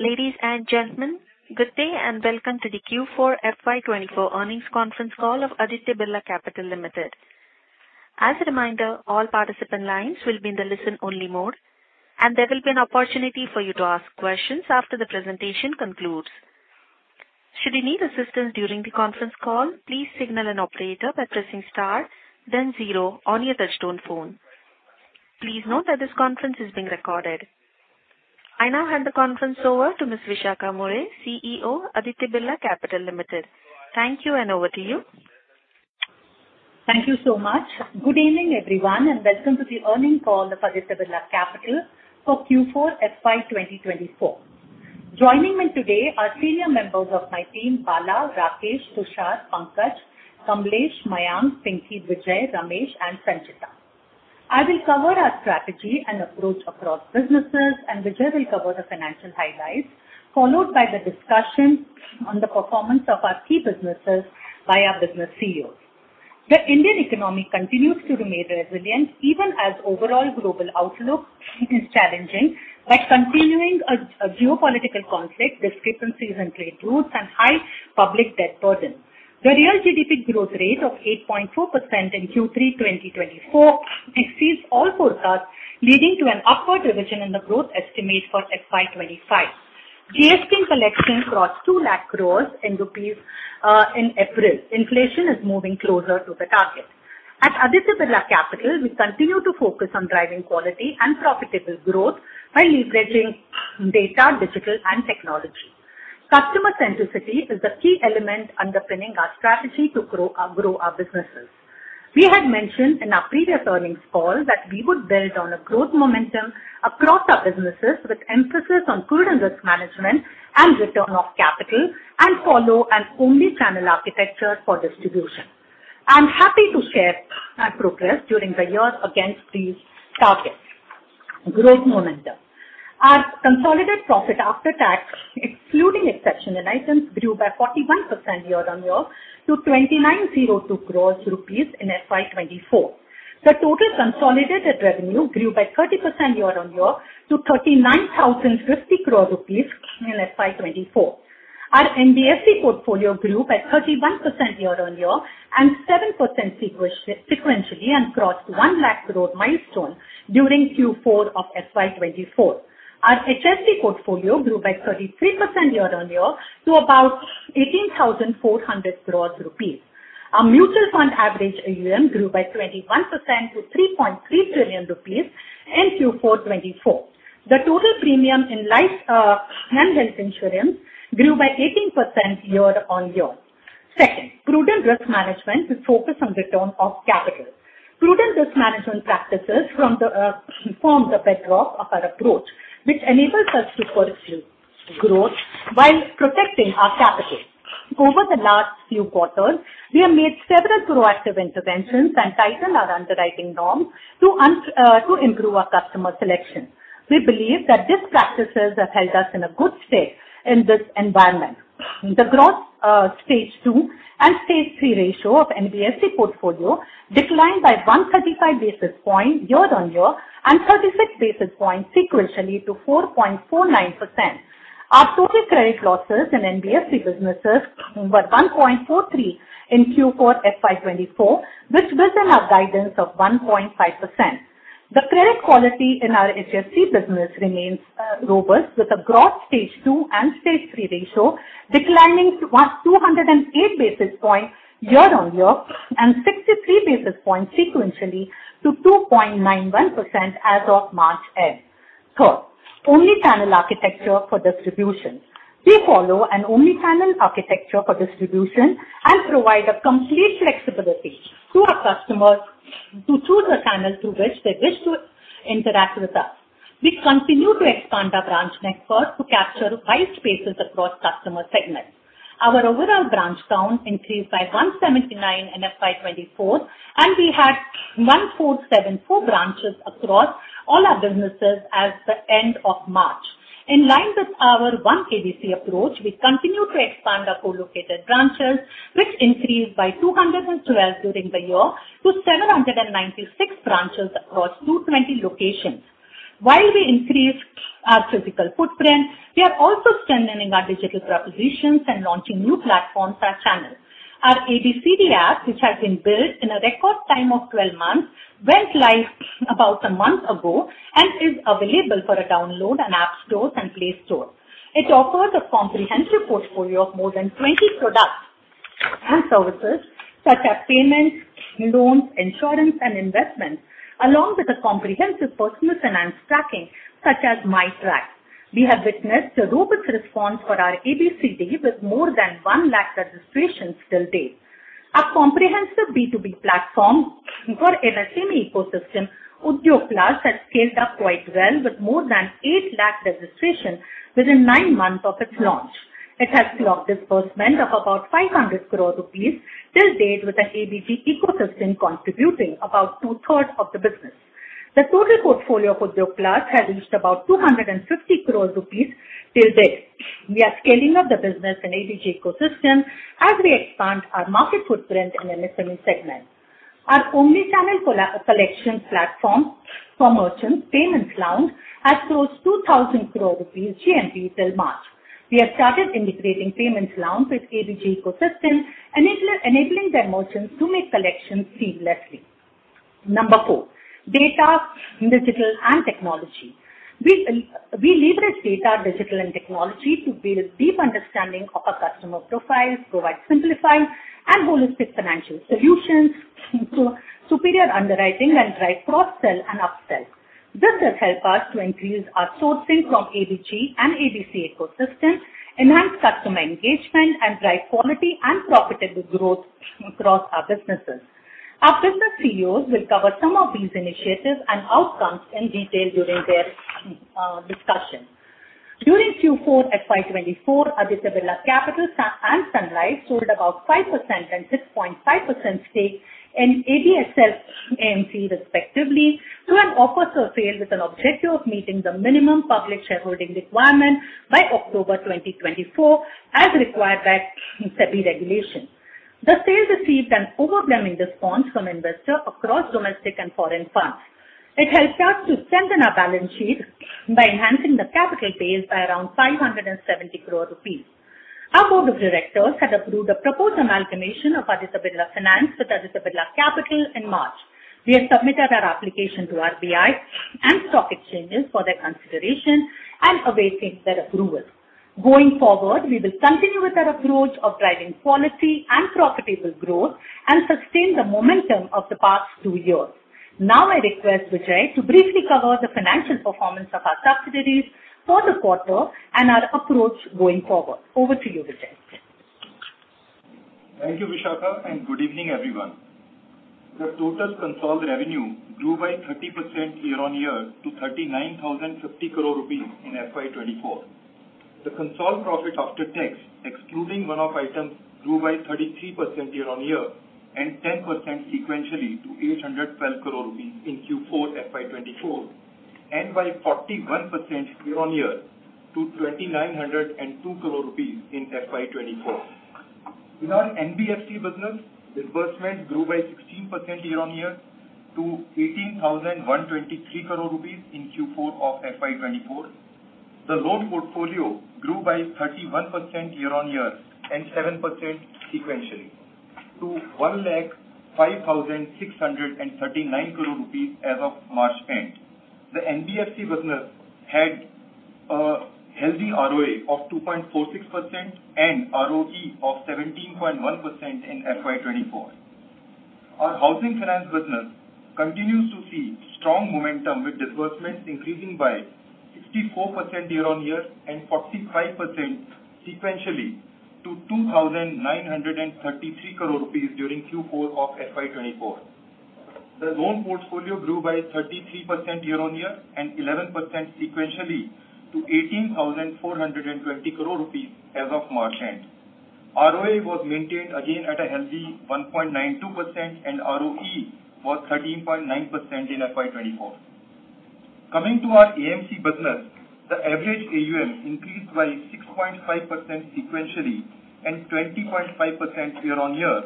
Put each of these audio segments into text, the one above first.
Ladies and gentlemen, good day and welcome to the Q4 FY 2024 earnings conference call of Aditya Birla Capital Limited. As a reminder, all participant lines will be in the listen-only mode, and there will be an opportunity for you to ask questions after the presentation concludes. Should you need assistance during the conference call, please signal an operator by pressing star, then zero on your touch-tone phone. Please note that this conference is being recorded. I now hand the conference over to Ms. Vishakha Mulye, CEO, Aditya Birla Capital Limited. Thank you, and over to you. Thank you so much. Good evening, everyone, and welcome to the earnings call of Aditya Birla Capital for Q4 FY 2024. Joining me today are senior members of my team, Bala, Rakesh, Stuart, Pankaj, Kamlesh, Mayank, Pinky, Vijay, Ramesh, and Sanchita. I will cover our strategy and approach across businesses, and Vijay will cover the financial highlights, followed by the discussion on the performance of our key businesses by our business CEOs. The Indian economy continues to remain resilient even as overall global outlook is challenging by continuing geopolitical conflict, discrepancies in trade routes, and high public debt burden. The real GDP growth rate of 8.4% in Q3 2024 exceeds all forecasts, leading to an upward revision in the growth estimate for FY 2025. GST collection crossed 200,000 crore rupees in April. Inflation is moving closer to the target. At Aditya Birla Capital, we continue to focus on driving quality and profitable growth by leveraging data, digital, and technology. Customer centricity is the key element underpinning our strategy to grow our businesses. We had mentioned in our previous earnings call that we would build on a growth momentum across our businesses with emphasis on good governance and risk management and return on capital, and follow an omnichannel architecture for distribution. I'm happy to share our progress during the year against these targets. Growth momentum. Our consolidated profit after tax, excluding exceptional items, grew by 41% year-on-year to 2,902 crore rupees in FY 2024. The total consolidated revenue grew by 30% year-on-year to 39,050 crore rupees in FY 2024. Our NBFC portfolio grew by 31% year-on-year and 7% sequentially and crossed 100,000 crore milestone during Q4 of FY24. Our HFC portfolio grew by 33% year-on-year to about 18,400 crore rupees. Our mutual fund average AUM grew by 21% to 3.3 trillion rupees in Q4 2024. The total premium in life and health insurance grew by 18% year-on-year. Second, prudent risk management with focus on return of capital. Prudent risk management practices form the bedrock of our approach, which enables us to pursue growth while protecting our capital. Over the last few quarters, we have made several proactive interventions and tightened our underwriting norms to improve our customer selection. We believe that these practices have held us in a good space in this environment. The gross stage 2 and stage 3 ratio of NBFC portfolio declined by 135 basis points year-on-year and 36 basis points sequentially to 4.49%. Our total credit losses in NBFC businesses were 1.43 in Q4 FY 2024, which was in our guidance of 1.5%. The credit quality in our HFC business remains robust, with a gross stage II and stage III ratio declining to 208 basis points year on year and 63 basis points sequentially to 2.91% as of March end. Third, omni-channel architecture for distribution. We follow an omni-channel architecture for distribution and provide complete flexibility to our customers to choose a channel through which they wish to interact with us. We continue to expand our branch network to capture wide spaces across customer segments. Our overall branch count increased by 179 in FY 2024, and we had 1,474 branches across all our businesses at the end of March. In line with our One ABC approach, we continue to expand our co-located branches, which increased by 212 during the year to 796 branches across 220 locations. While we increase our physical footprint, we are also strengthening our digital propositions and launching new platforms and channels. Our ABCD app, which has been built in a record time of 12 months, went live about a month ago and is available for download in App Store and Play Store. It offers a comprehensive portfolio of more than 20 products and services such as payments, loans, insurance, and investments, along with a comprehensive personal finance tracking such as MyTrack. We have witnessed a robust response for our ABCD with more than 1 lakh registrations to date. Our comprehensive B2B platform for MSME ecosystem, Udyog Plus, has scaled up quite well with more than 8 lakh registrations within nine months of its launch. It has clocked disbursement of about 500 crore rupees to date with an ABCD ecosystem contributing about 2/3 of the business. The total portfolio of Udyog Plus has reached about 250 crore rupees to date. We are scaling up the business in the ABCD ecosystem as we expand our market footprint in MSME segments. Our only-channel collections platform for merchants, Payment Lounge, has crossed 2,000 crore rupees GMV till March. We have started integrating Payment Lounge with the ABCD ecosystem, enabling the merchants to make collections seamlessly. Number four, data, digital, and technology. We leverage data, digital, and technology to build deep understanding of our customer profiles, provide simplified and holistic financial solutions to superior underwriting and drive cross-sell and upsell. This has helped us to increase our sourcing from ABCD and ABCD ecosystems, enhance customer engagement, and drive quality and profitable growth across our businesses. Our business CEOs will cover some of these initiatives and outcomes in detail during their discussion. During Q4 FY 2024, Aditya Birla Capital and Sun Life sold about 5% and 6.5% stake in ABSL and AMC, respectively, to an OFS with an objective of meeting the minimum public shareholding requirement by October 2024 as required by SEBI regulations. The sale received an overwhelming response from investors across domestic and foreign funds. It helped us to strengthen our balance sheet by enhancing the capital base by around 570 crore rupees. Our board of directors had approved a proposed amalgamation of Aditya Birla Finance with Aditya Birla Capital in March. We have submitted our application to RBI and stock exchanges for their consideration and awaiting their approval. Going forward, we will continue with our approach of driving quality and profitable growth and sustain the momentum of the past two years. Now, I request Vijay to briefly cover the financial performance of our subsidiaries for the quarter and our approach going forward. Over to you, Vijay. Thank you, Vishakha, and good evening, everyone. The total consolidated revenue grew by 30% year-on-year to 39,050 crore rupees in FY 2024. The consolidated profit after tax, excluding one-off items, grew by 33% year-on-year and 10% sequentially to 812 crore rupees in Q4 FY 24, and by 41% year-on-year to 2,902 crore rupees in FY 2024. In our NBFC business, disbursements grew by 16% year-on-year to 18,123 crore rupees in Q4 of FY 2024. The loan portfolio grew by 31% year-on-year and 7% sequentially to 105,639 crore rupees as of March end. The NBFC business had a healthy ROA of 2.46% and ROE of 17.1% in FY 24. Our housing finance business continues to see strong momentum with disbursements increasing by 64% year-on-year and 45% sequentially to 2,933 crore rupees during Q4 of FY 2024. The loan portfolio grew by 33% year-over-year and 11% sequentially to 18,420 crore rupees as of March end. ROA was maintained again at a healthy 1.92%, and ROE was 13.9% in FY 2024. Coming to our AMC business, the average AUM increased by 6.5% sequentially and 20.5% year-over-year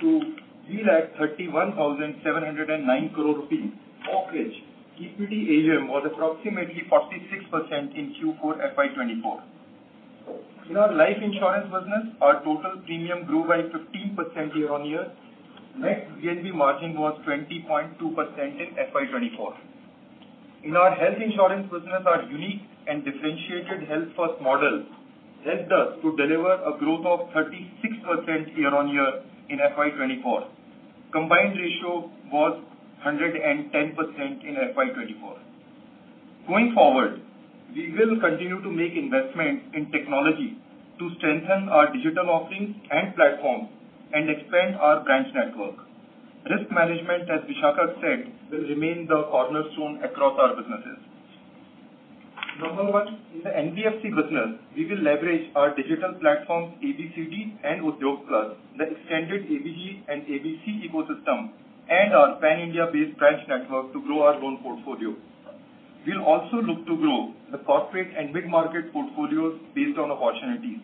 to 31,709 crore rupees. Of which, equity AUM was approximately 46% in Q4 FY 2024. In our life insurance business, our total premium grew by 15% year-over-year. Net VNB margin was 20.2% in FY 2024. In our health insurance business, our unique and differentiated health first model helped us to deliver a growth of 36% year-over-year in FY 2024. Combined ratio was 110% in FY2024. Going forward, we will continue to make investments in technology to strengthen our digital offerings and platforms and expand our branch network. Risk management, as Vishakha said, will remain the cornerstone across our businesses. Number one, in the NBFC business, we will leverage our digital platforms, ABCD and Udyog Plus, the extended ABG and ABC ecosystem, and our Pan-India-based branch network to grow our loan portfolio. We'll also look to grow the corporate and mid-market portfolios based on opportunities.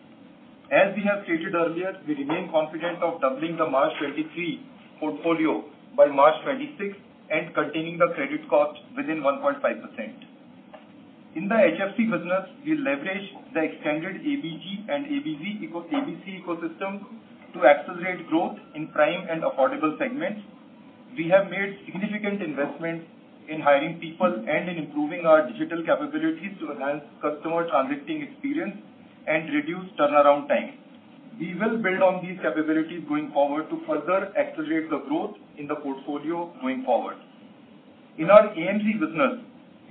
As we have stated earlier, we remain confident of doubling the March 2023 portfolio by March 2026 and containing the credit cost within 1.5%. In the HFC business, we leverage the extended ABG and ABC ecosystem to accelerate growth in prime and affordable segments. We have made significant investments in hiring people and in improving our digital capabilities to enhance customer transacting experience and reduce turnaround time. We will build on these capabilities going forward to further accelerate the growth in the portfolio going forward. In our AMC business,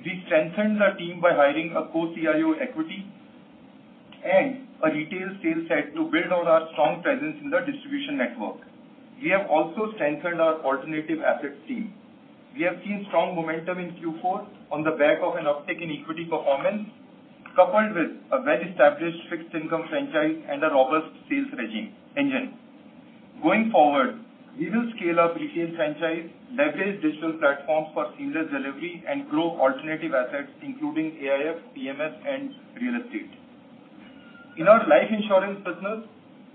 we strengthened our team by hiring a co-CIO equity and a retail sales head to build on our strong presence in the distribution network. We have also strengthened our alternative assets team. We have seen strong momentum in Q4 on the back of an uptick in equity performance coupled with a well-established fixed income franchise and a robust sales engine. Going forward, we will scale up retail franchise, leverage digital platforms for seamless delivery, and grow alternative assets including AIF, PMS, and real estate. In our life insurance business,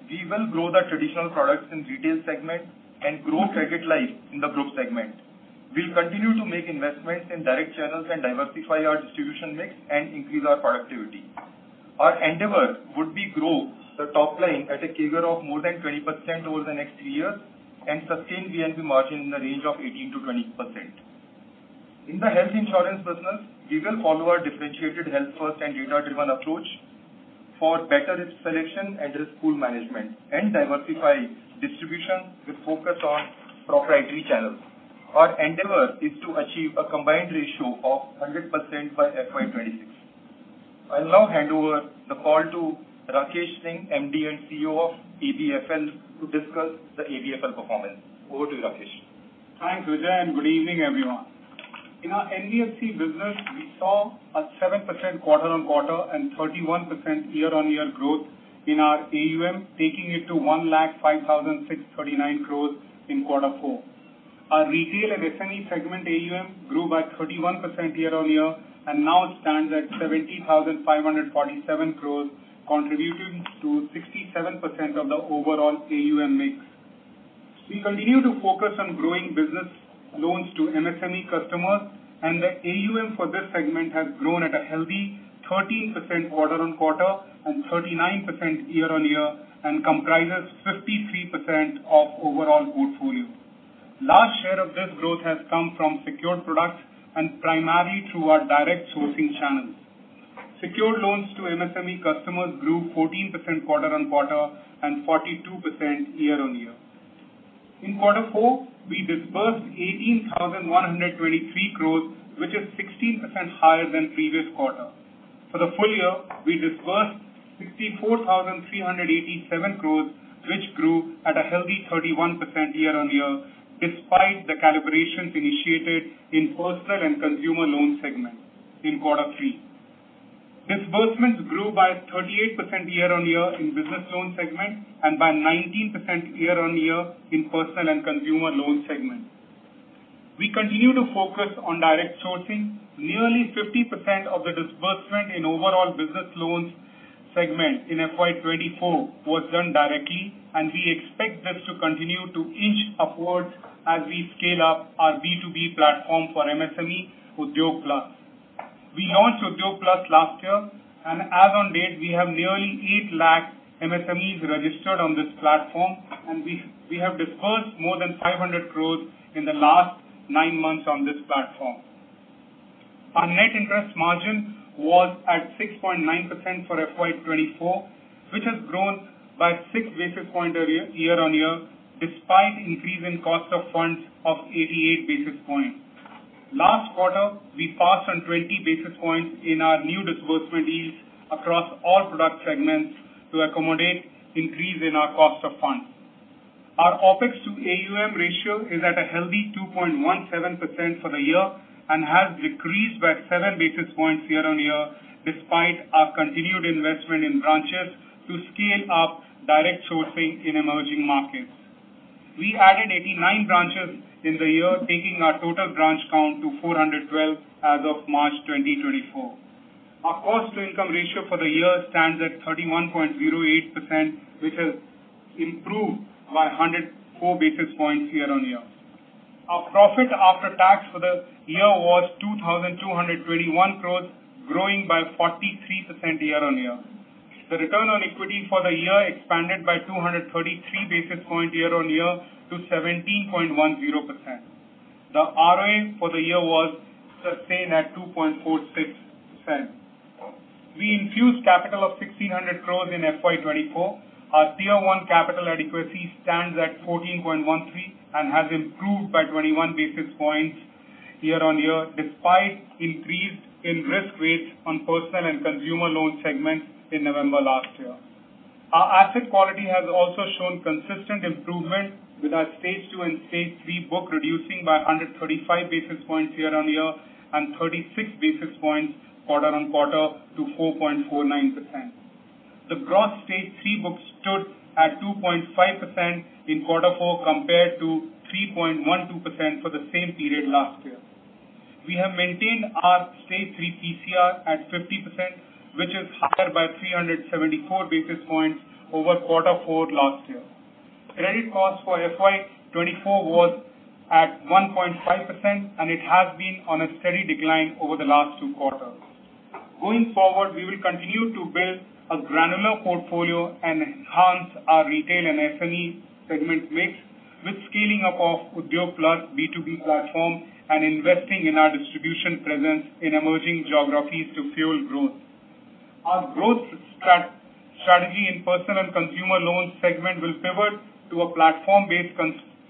we will grow the traditional products in the retail segment and grow credit life in the group segment. We'll continue to make investments in direct channels and diversify our distribution mix and increase our productivity. Our endeavor would be to grow the top line at a CAGR of more than 20% over the next three years and sustain VNB margin in the range of 18%-20%. In the health insurance business, we will follow our differentiated health first and data-driven approach for better risk selection and risk pool management and diversify distribution with focus on proprietary channels. Our endeavor is to achieve a combined ratio of 100% by FY 2026. I'll now hand over the call to Rakesh Singh, MD and CEO of ABFL, to discuss the ABFL performance. Over to you, Rakesh. Thanks, Vijay, and good evening, everyone. In our NBFC business, we saw a 7% quarter-on-quarter and 31% year-on-year growth in our AUM, taking it to 105,639 crore in quarter four. Our retail and SME segment AUM grew by 31% year-on-year and now stands at 70,547 crore, contributing to 67% of the overall AUM mix. We continue to focus on growing business loans to MSME customers, and the AUM for this segment has grown at a healthy 13% quarter-on-quarter and 39% year-on-year and comprises 53% of overall portfolio. Large share of this growth has come from secured products and primarily through our direct sourcing channels. Secured loans to MSME customers grew 14% quarter-on-quarter and 42% year-on-year. In quarter four, we disbursed 18,123 crore, which is 16% higher than previous quarter. For the full year, we disbursed 64,387 crores, which grew at a healthy 31% year-on-year despite the calibrations initiated in personal and consumer loan segments in quarter three. Disbursements grew by 38% year-on-year in the business loan segment and by 19% year-on-year in the personal and consumer loan segment. We continue to focus on direct sourcing. Nearly 50% of the disbursement in the overall business loan segment in FY 2024 was done directly, and we expect this to continue to inch upwards as we scale up our B2B platform for MSME, Udyog Plus. We launched Udyog Plus last year, and as of date, we have nearly 800,000 MSMEs registered on this platform, and we have disbursed more than 500 crore in the last nine months on this platform. Our net interest margin was at 6.9% for FY 2024, which has grown by six basis points year-on-year despite an increase in cost of funds of 88 basis points. Last quarter, we passed on 20 basis points in our new disbursement deals across all product segments to accommodate an increase in our cost of funds. Our OpEx to AUM ratio is at a healthy 2.17% for the year and has decreased by seven basis points year-on-year despite our continued investment in branches to scale up direct sourcing in emerging markets. We added 89 branches in the year, taking our total branch count to 412 as of March 2024. Our cost-to-income ratio for the year stands at 31.08%, which has improved by 104 basis points year-on-year. Our profit after tax for the year was 2,221 crore, growing by 43% year-on-year. The return on equity for the year expanded by 233 basis points year-on-year to 17.10%. The ROA for the year was sustained at 2.46%. We infused capital of 1,600 crore in FY 2024. Our Tier 1 capital adequacy stands at 14.13 and has improved by 21 basis points year-on-year despite an increase in risk rates on personal and consumer loan segments in November last year. Our asset quality has also shown consistent improvement with our stage 2 and stage 3 books, reducing by 135 basis points year-on-year and 36 basis points quarter-on-quarter to 4.49%. The gross stage 3 books stood at 2.5% in quarter four compared to 3.12% for the same period last year. We have maintained our stage 3 PCR at 50%, which is higher by 374 basis points over quarter four last year. Credit cost for FY 2024 was at 1.5%, and it has been on a steady decline over the last two quarters. Going forward, we will continue to build a granular portfolio and enhance our retail and SME segment mix with scaling up of Udyog Plus B2B platform and investing in our distribution presence in emerging geographies to fuel growth. Our growth strategy in personal and consumer loan segments will pivot to a platform-based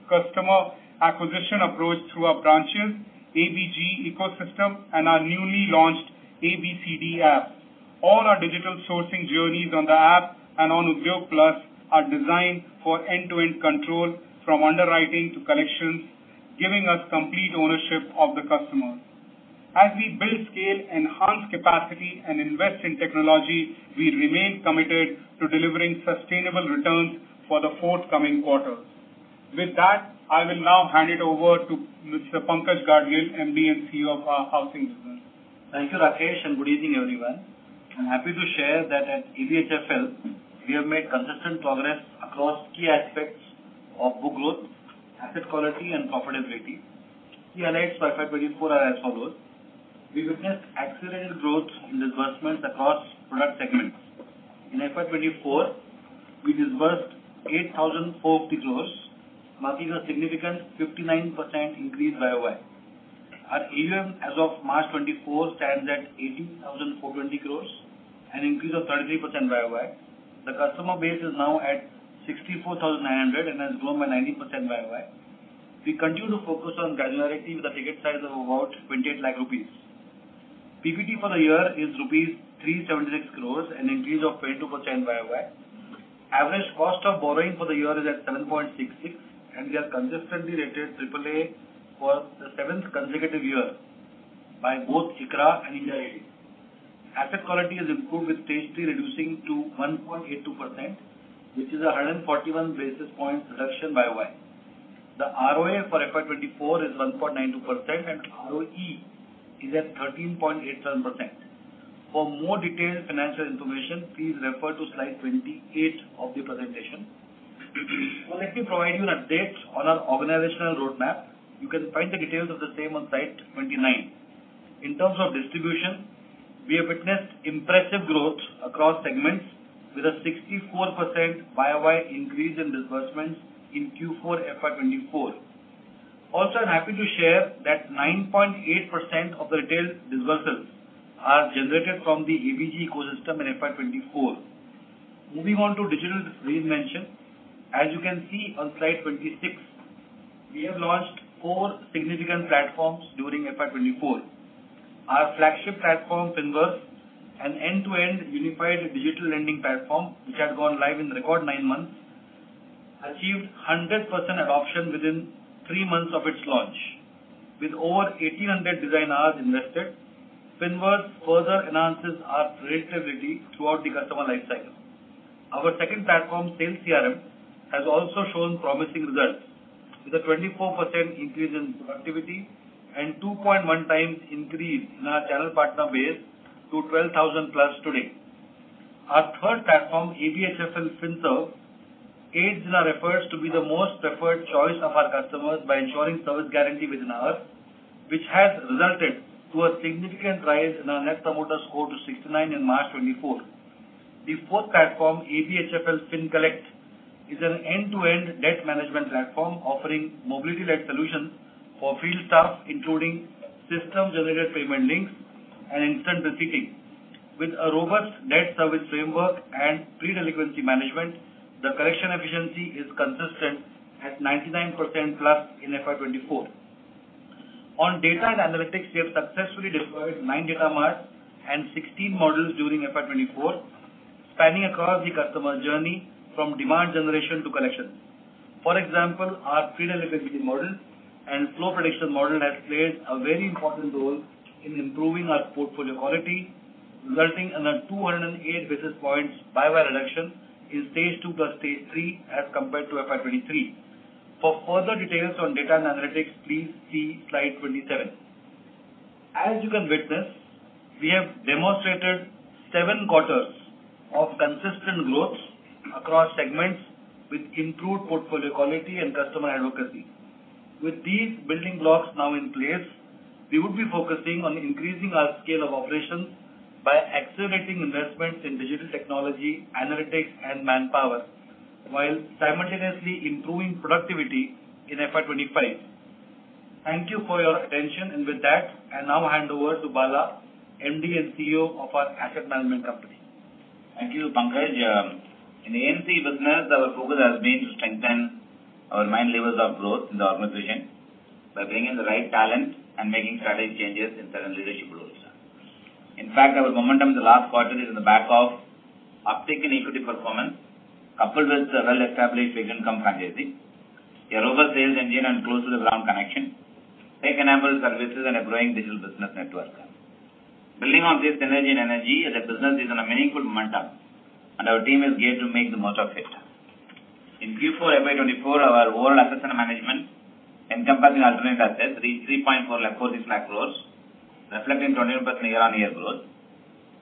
customer acquisition approach through our branches, ABG ecosystem, and our newly launched ABCD app. All our digital sourcing journeys on the app and on Udyog Plus are designed for end-to-end control from underwriting to collections, giving us complete ownership of the customers. As we build scale, enhance capacity, and invest in technology, we remain committed to delivering sustainable returns for the forthcoming quarters. With that, I will now hand it over to Mr. Pankaj Gadgil, MD and CEO of our housing business. Thank you, Rakesh, and good evening, everyone. I'm happy to share that at ABSL, we have made consistent progress across key aspects of book growth, asset quality, and profitability. Key highlights for FY 2024 are as follows. We witnessed accelerated growth in disbursements across product segments. In FY 2024, we disbursed INR 8,450 crore, marking a significant 59% increase YoY. Our AUM as of March 2024 stands at 18,420 crore, an increase of 33% YoY. The customer base is now at 64,900 and has grown by 90% YoY. We continue to focus on granularity with a ticket size of about 28 lakh rupees. PPT for the year is rupees 376 crore, an increase of 22% YoY. Average cost of borrowing for the year is at 7.66, and we are consistently rated AAA for the seventh consecutive year by both ICRA and Ind-Ra. Asset quality has improved with stage 3 reducing to 1.82%, which is a 141 basis points reduction YoY. The ROA for FY 2024 is 1.92%, and ROE is at 13.87%. For more detailed financial information, please refer to slide 28 of the presentation. Let me provide you an update on our organizational roadmap. You can find the details of the same on slide 29. In terms of distribution, we have witnessed impressive growth across segments with a 64% YoY increase in disbursements in Q4 FY 2024. Also, I'm happy to share that 9.8% of the retail disbursements are generated from the ABG ecosystem in FY 2024. Moving on to digital reinvention, as you can see on slide 26, we have launched four significant platforms during FY 2024. Our flagship platform, Finverse, an end-to-end unified digital lending platform which had gone live in record nine months, achieved 100% adoption within three months of its launch. With over 1,800 design hours invested, Finverse further enhances our predictability throughout the customer lifecycle. Our second platform, Sales CRM, has also shown promising results with a 24% increase in productivity and a 2.1-times increase in our channel partner base to 12,000+ today. Our third platform, ABSL FinServe, aids in our efforts to be the most preferred choice of our customers by ensuring service guarantee within hours, which has resulted in a significant rise in our net promoter score to 69 in March 2024. The fourth platform, ABSL FinCollect, is an end-to-end debt management platform offering mobility-led solutions for field staff, including system-generated payment links and instant receipting. With a robust debt service framework and pre-delinquency management, the collection efficiency is consistent at 99%+ in FY 2024. On data and analytics, we have successfully deployed 9 data marts and 16 models during FY 2024, spanning across the customer journey from demand generation to collection. For example, our pre-delinquency model and flow prediction model have played a very important role in improving our portfolio quality, resulting in a 208 basis points YoY reduction in stage 2 + stage 3 as compared to FY 2023. For further details on data and analytics, please see slide 27. As you can witness, we have demonstrated 7 quarters of consistent growth across segments with improved portfolio quality and customer advocacy. With these building blocks now in place, we would be focusing on increasing our scale of operations by accelerating investments in digital technology, analytics, and manpower while simultaneously improving productivity in FY 2025. Thank you for your attention. With that, I now hand over to Bala, MD and CEO of our asset management company. Thank you, Pankaj. In the AMC business, our focus has been to strengthen our multiples of growth in the organization by bringing the right talent and making strategic changes in certain leadership roles. In fact, our momentum in the last quarter is on the back of uptick in equity performance coupled with a well-established fixed income franchise, a robust sales engine, and close-to-the-ground connection, tech-enabled services, and a growing digital business network. Building on this synergy and energy, the business is on a meaningful momentum, and our team is geared to make the most of it. In Q4 FY 2024, our overall assets under management, encompassing alternative assets, reached 346,000 crore, reflecting 21% year-on-year growth.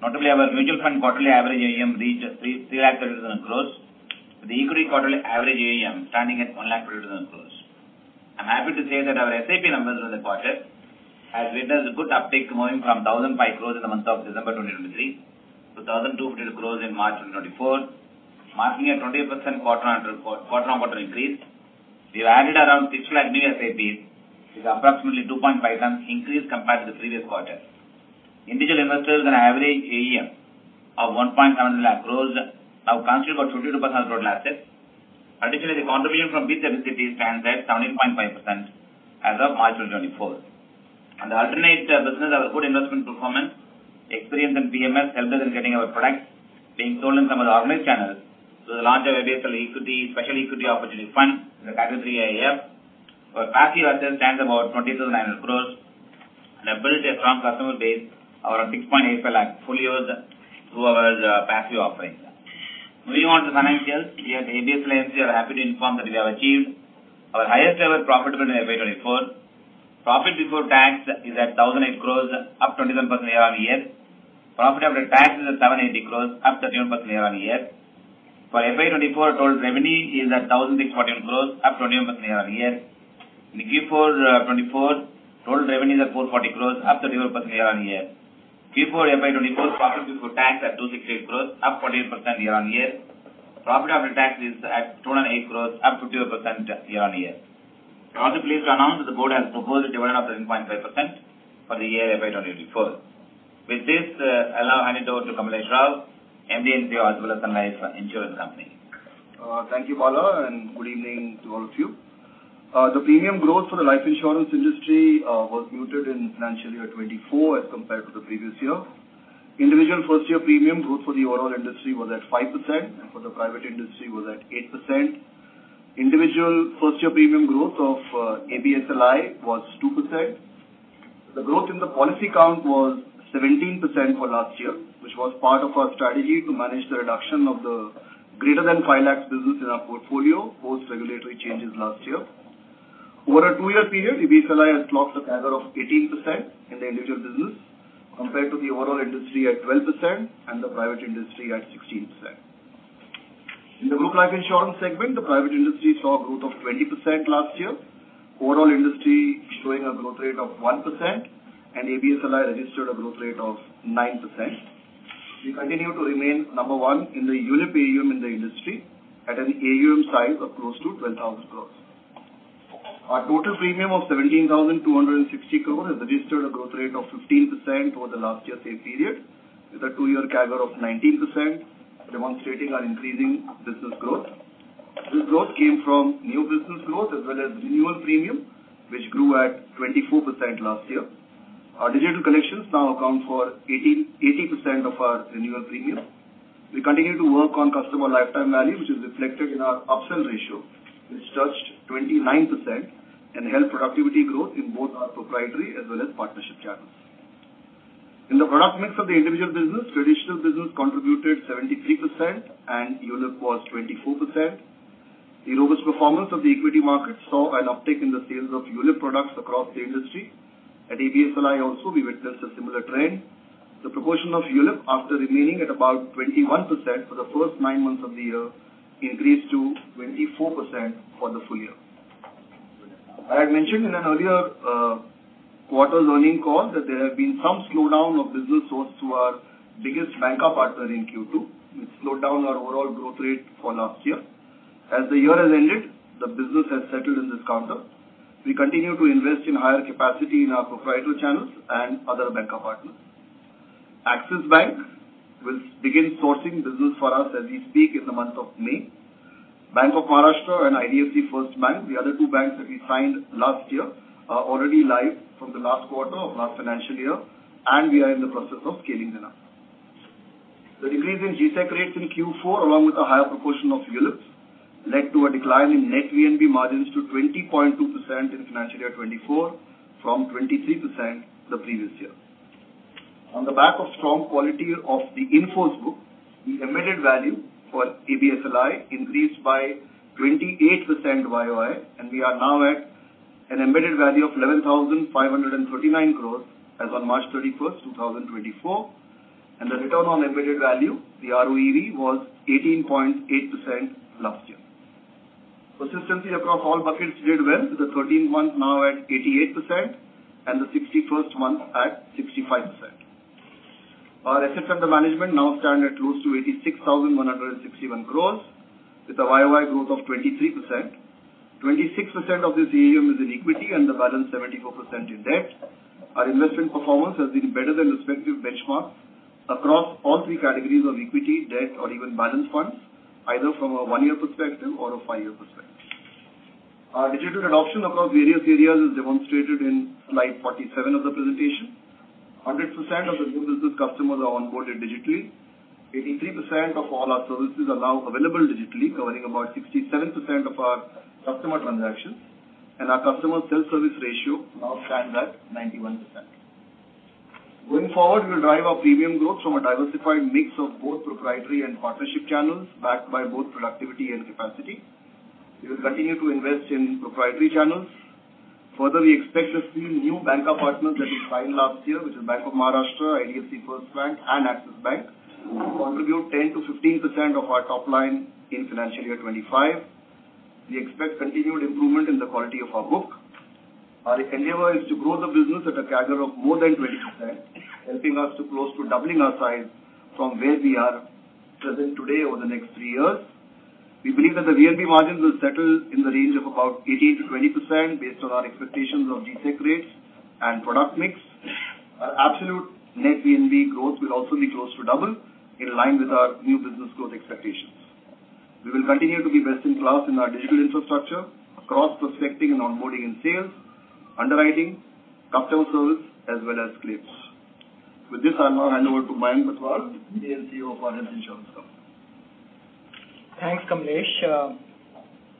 Notably, our mutual fund quarterly average AUM reached 330,000 crore, with the equity quarterly average AUM standing at 140,000 crore. I'm happy to say that our SIP numbers during the quarter have witnessed a good uptick, moving from 1,005 crore in the month of December 2023 to 1,250 crore in March 2024, marking a 28% quarter-on-quarter increase. We have added around 600,000 new SIPs, with approximately 2.5 times increase compared to the previous quarter. Individual investors with an average AUM of 170,000 crore now constitute about 52% of the total assets. Additionally, the contribution from B-30 stands at 17.5% as of March 2024. The alternate business, our good investment performance, experience in PMS helped us in getting our products being sold in some of the organized channels through the launch of ABSL Special Equity Opportunity Fund in the Category 3 AIF. Our passive assets stand about 20,900 crore and have built a strong customer base of around 685,000 fully used through our passive offerings. Moving on to financials, here at ABSL, I'm happy to inform that we have achieved our highest ever profitability in FY 2024. Profit before tax is at 1,008 crore, up 27% year-on-year. Profit after tax is at 780 crore, up 31% year-on-year. For FY 2024, total revenue is at 1,641 crore, up 21% year-on-year. In Q4 2024, total revenue is at 440 crore, up 31% year-on-year. Q4 FY 2024, profit before tax at 268 crore, up 48% year-on-year. Profit after tax is at 208 crore, up 51% year-on-year. I'm also pleased to announce that the board has proposed a dividend of 13.5% for the year FY 2024. With this, I'll now hand it over to Kamlesh Rao, MD and CEO of Sun Life Insurance Company. Thank you, Bala, and good evening to all of you. The premium growth for the life insurance industry was muted in financial year 2024 as compared to the previous year. Individual first-year premium growth for the overall industry was at 5%, and for the private industry, it was at 8%. Individual first-year premium growth of ABSLI was 2%. The growth in the policy count was 17% for last year, which was part of our strategy to manage the reduction of the greater-than-5 lakh business in our portfolio post-regulatory changes last year. Over a two-year period, ABSLI has clocked a CAGR of 18% in the individual business compared to the overall industry at 12% and the private industry at 16%. In the group life insurance segment, the private industry saw a growth of 20% last year, overall industry showing a growth rate of 1%, and ABSLI registered a growth rate of 9%. We continue to remain number one in the unit AUM in the industry at an AUM size of close to 12,000 crore. Our total premium of 17,260 crore has registered a growth rate of 15% over the last year's same period with a two-year CAGR of 19%, demonstrating our increasing business growth. This growth came from new business growth as well as renewal premium, which grew at 24% last year. Our digital collections now account for 80% of our renewal premium. We continue to work on customer lifetime value, which is reflected in our upsell ratio, which touched 29% and helped productivity growth in both our proprietary as well as partnership channels. In the product mix of the individual business, traditional business contributed 73%, and unit was 24%. The robust performance of the equity market saw an uptick in the sales of unit products across the industry. At ABSLI also, we witnessed a similar trend. The proportion of unit after remaining at about 21% for the first nine months of the year increased to 24% for the full year. I had mentioned in an earlier quarter's earnings call that there had been some slowdown of business sourced from our biggest banker partner in Q2, which slowed down our overall growth rate for last year. As the year has ended, the business has settled in this quarter. We continue to invest in higher capacity in our proprietary channels and other banker partners. Axis Bank will begin sourcing business for us as we speak in the month of May. Bank of Maharashtra and IDFC FIRST Bank, the other two banks that we signed last year, are already live from the last quarter of last financial year, and we are in the process of scaling them up. The decrease in GSEC rates in Q4, along with a higher proportion of units, led to a decline in net VNB margins to 20.2% in financial year 2024 from 23% the previous year. On the back of strong quality of the in-force book, the embedded value for ABSLI increased by 28% YoY, and we are now at an embedded value of 11,539 crores as on March 31st, 2024. The return on embedded value, the ROEV, was 18.8% last year. Persistency across all buckets did well, with the 13th month now at 88% and the 61st month at 65%. Our assets under management now stand at close to 86,161 crore with a YoY growth of 23%. 26% of this AUM is in equity and the balance 74% in debt. Our investment performance has been better than respective benchmarks across all three categories of equity, debt, or even balance funds, either from a one-year perspective or a five-year perspective. Our digital adoption across various areas is demonstrated in slide 47 of the presentation. 100% of the new business customers are onboarded digitally. 83% of all our services are now available digitally, covering about 67% of our customer transactions. Our customer self-service ratio now stands at 91%. Going forward, we will drive our premium growth from a diversified mix of both proprietary and partnership channels backed by both productivity and capacity. We will continue to invest in proprietary channels. Further, we expect to see new banker partners that we signed last year, which are Bank of Maharashtra, IDFC FIRST Bank, and Axis Bank, contribute 10%-15% of our top line in financial year 2025. We expect continued improvement in the quality of our book. Our endeavor is to grow the business at a CAGR of more than 20%, helping us to close to doubling our size from where we are present today over the next three years. We believe that the VNB margins will settle in the range of about 18%-20% based on our expectations of GSEC rates and product mix. Our absolute net VNB growth will also be close to double in line with our new business growth expectations. We will continue to be best in class in our digital infrastructure across prospecting and onboarding in sales, underwriting, customer service, as well as claims. With this, I now hand over to Mayank Bathwal, MD and CEO of our health insurance company. Thanks, Kamlesh.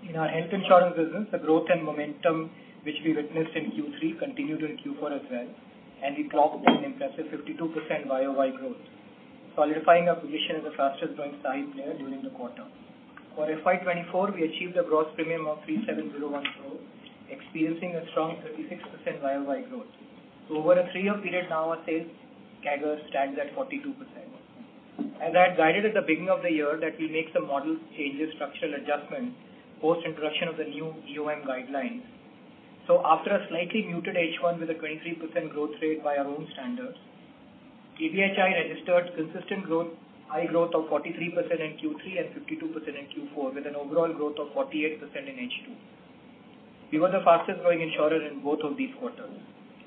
In our health insurance business, the growth and momentum which we witnessed in Q3 continued in Q4 as well, and we clocked in an impressive 52% YoY growth, solidifying our position as the fastest-growing private player during the quarter. For FY 2024, we achieved a gross premium of 3,701 crore, experiencing a strong 36% YoY growth. Over a three-year period now, our CAGR stands at 42%. As I had guided at the beginning of the year that we'll make some model changes, structural adjustments post-introduction of the new IRDAI guidelines. So after a slightly muted H1 with a 23% growth rate by our own standards, ABHI registered consistent high growth of 43% in Q3 and 52% in Q4, with an overall growth of 48% in H2. We were the fastest-growing insurer in both of these quarters.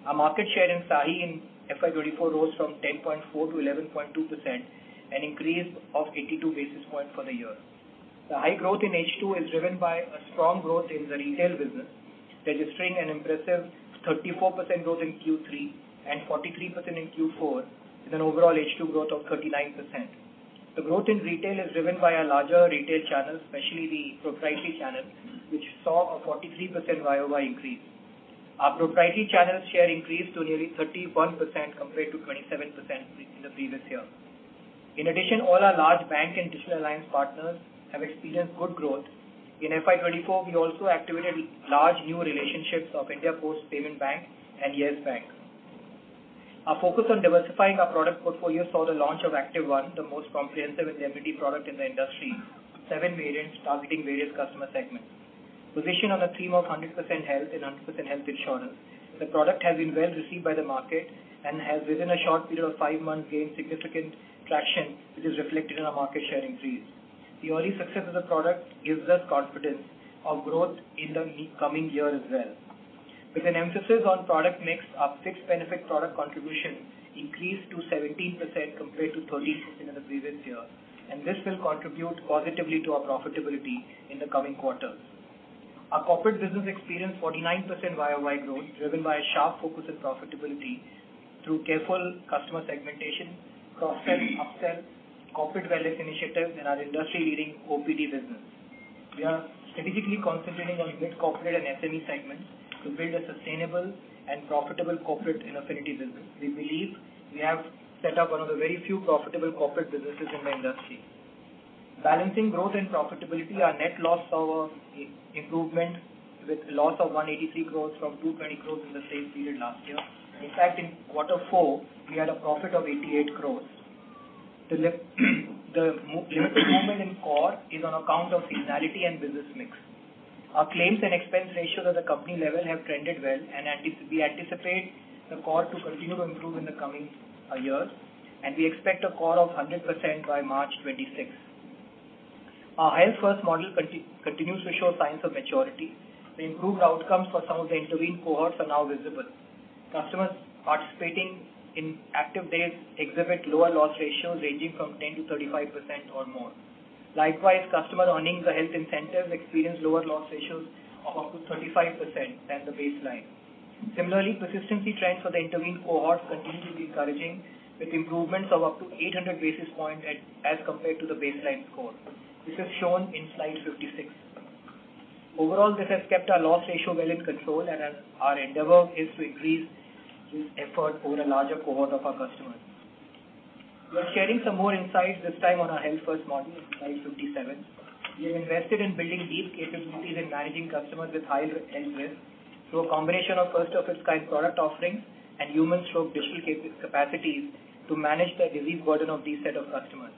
Our market share in SAHI in FY24 rose from 10.4% to 11.2%, an increase of 82 basis points for the year. The high growth in H2 is driven by a strong growth in the retail business, registering an impressive 34% growth in Q3 and 43% in Q4, with an overall H2 growth of 39%. The growth in retail is driven by our larger retail channels, especially the proprietary channels, which saw a 43% YoY increase. Our proprietary channels' share increased to nearly 31% compared to 27% in the previous year. In addition, all our large bank and digital alliance partners have experienced good growth. In FY24, we also activated large new relationships of India Post Payments Bank and Yes Bank. Our focus on diversifying our product portfolio saw the launch of Activ One, the most comprehensive indemnity product in the industry, seven variants targeting various customer segments. Positioned on a theme of 100% health and 100% health insurance, the product has been well received by the market and has, within a short period of five months, gained significant traction, which is reflected in our market share increase. The early success of the product gives us confidence of growth in the coming year as well. With an emphasis on product mix, our fixed benefit product contribution increased to 17% compared to 13% in the previous year, and this will contribute positively to our profitability in the coming quarters. Our corporate business experienced 49% YoY growth, driven by a sharp focus on profitability through careful customer segmentation, cross-sell upsell, corporate wellness initiatives, and our industry-leading OPD business. We are strategically concentrating on mid-corporate and SME segments to build a sustainable and profitable corporate and affinity business. We believe we have set up one of the very few profitable corporate businesses in the industry. Balancing growth and profitability, our net loss saw improvement with a loss of 183 crore from 220 crore in the same period last year. In fact, in quarter four, we had a profit of 88 crore. The limited movement in COR is on account of seasonality and business mix. Our claims and expense ratio at the company level have trended well, and we anticipate the COR to continue to improve in the coming years, and we expect a COR of 100% by March 2026. Our Health First model continues to show signs of maturity. The improved outcomes for some of the intervened cohorts are now visible. Customers participating in Activ Dayz exhibit lower loss ratios ranging from 10%-35% or more. Likewise, customer earnings for health incentives experience lower loss ratios of up to 35% than the baseline. Similarly, persistency trends for the intervened cohorts continue to be encouraging, with improvements of up to 800 basis points as compared to the baseline score. This is shown in slide 56. Overall, this has kept our loss ratio well in control, and our endeavor is to increase this effort over a larger cohort of our customers. We are sharing some more insights this time on our Health First model in slide 57. We have invested in building deep capabilities in managing customers with high health risk through a combination of first-of-its-kind product offerings and human touch digital capacities to manage the disease burden of this set of customers.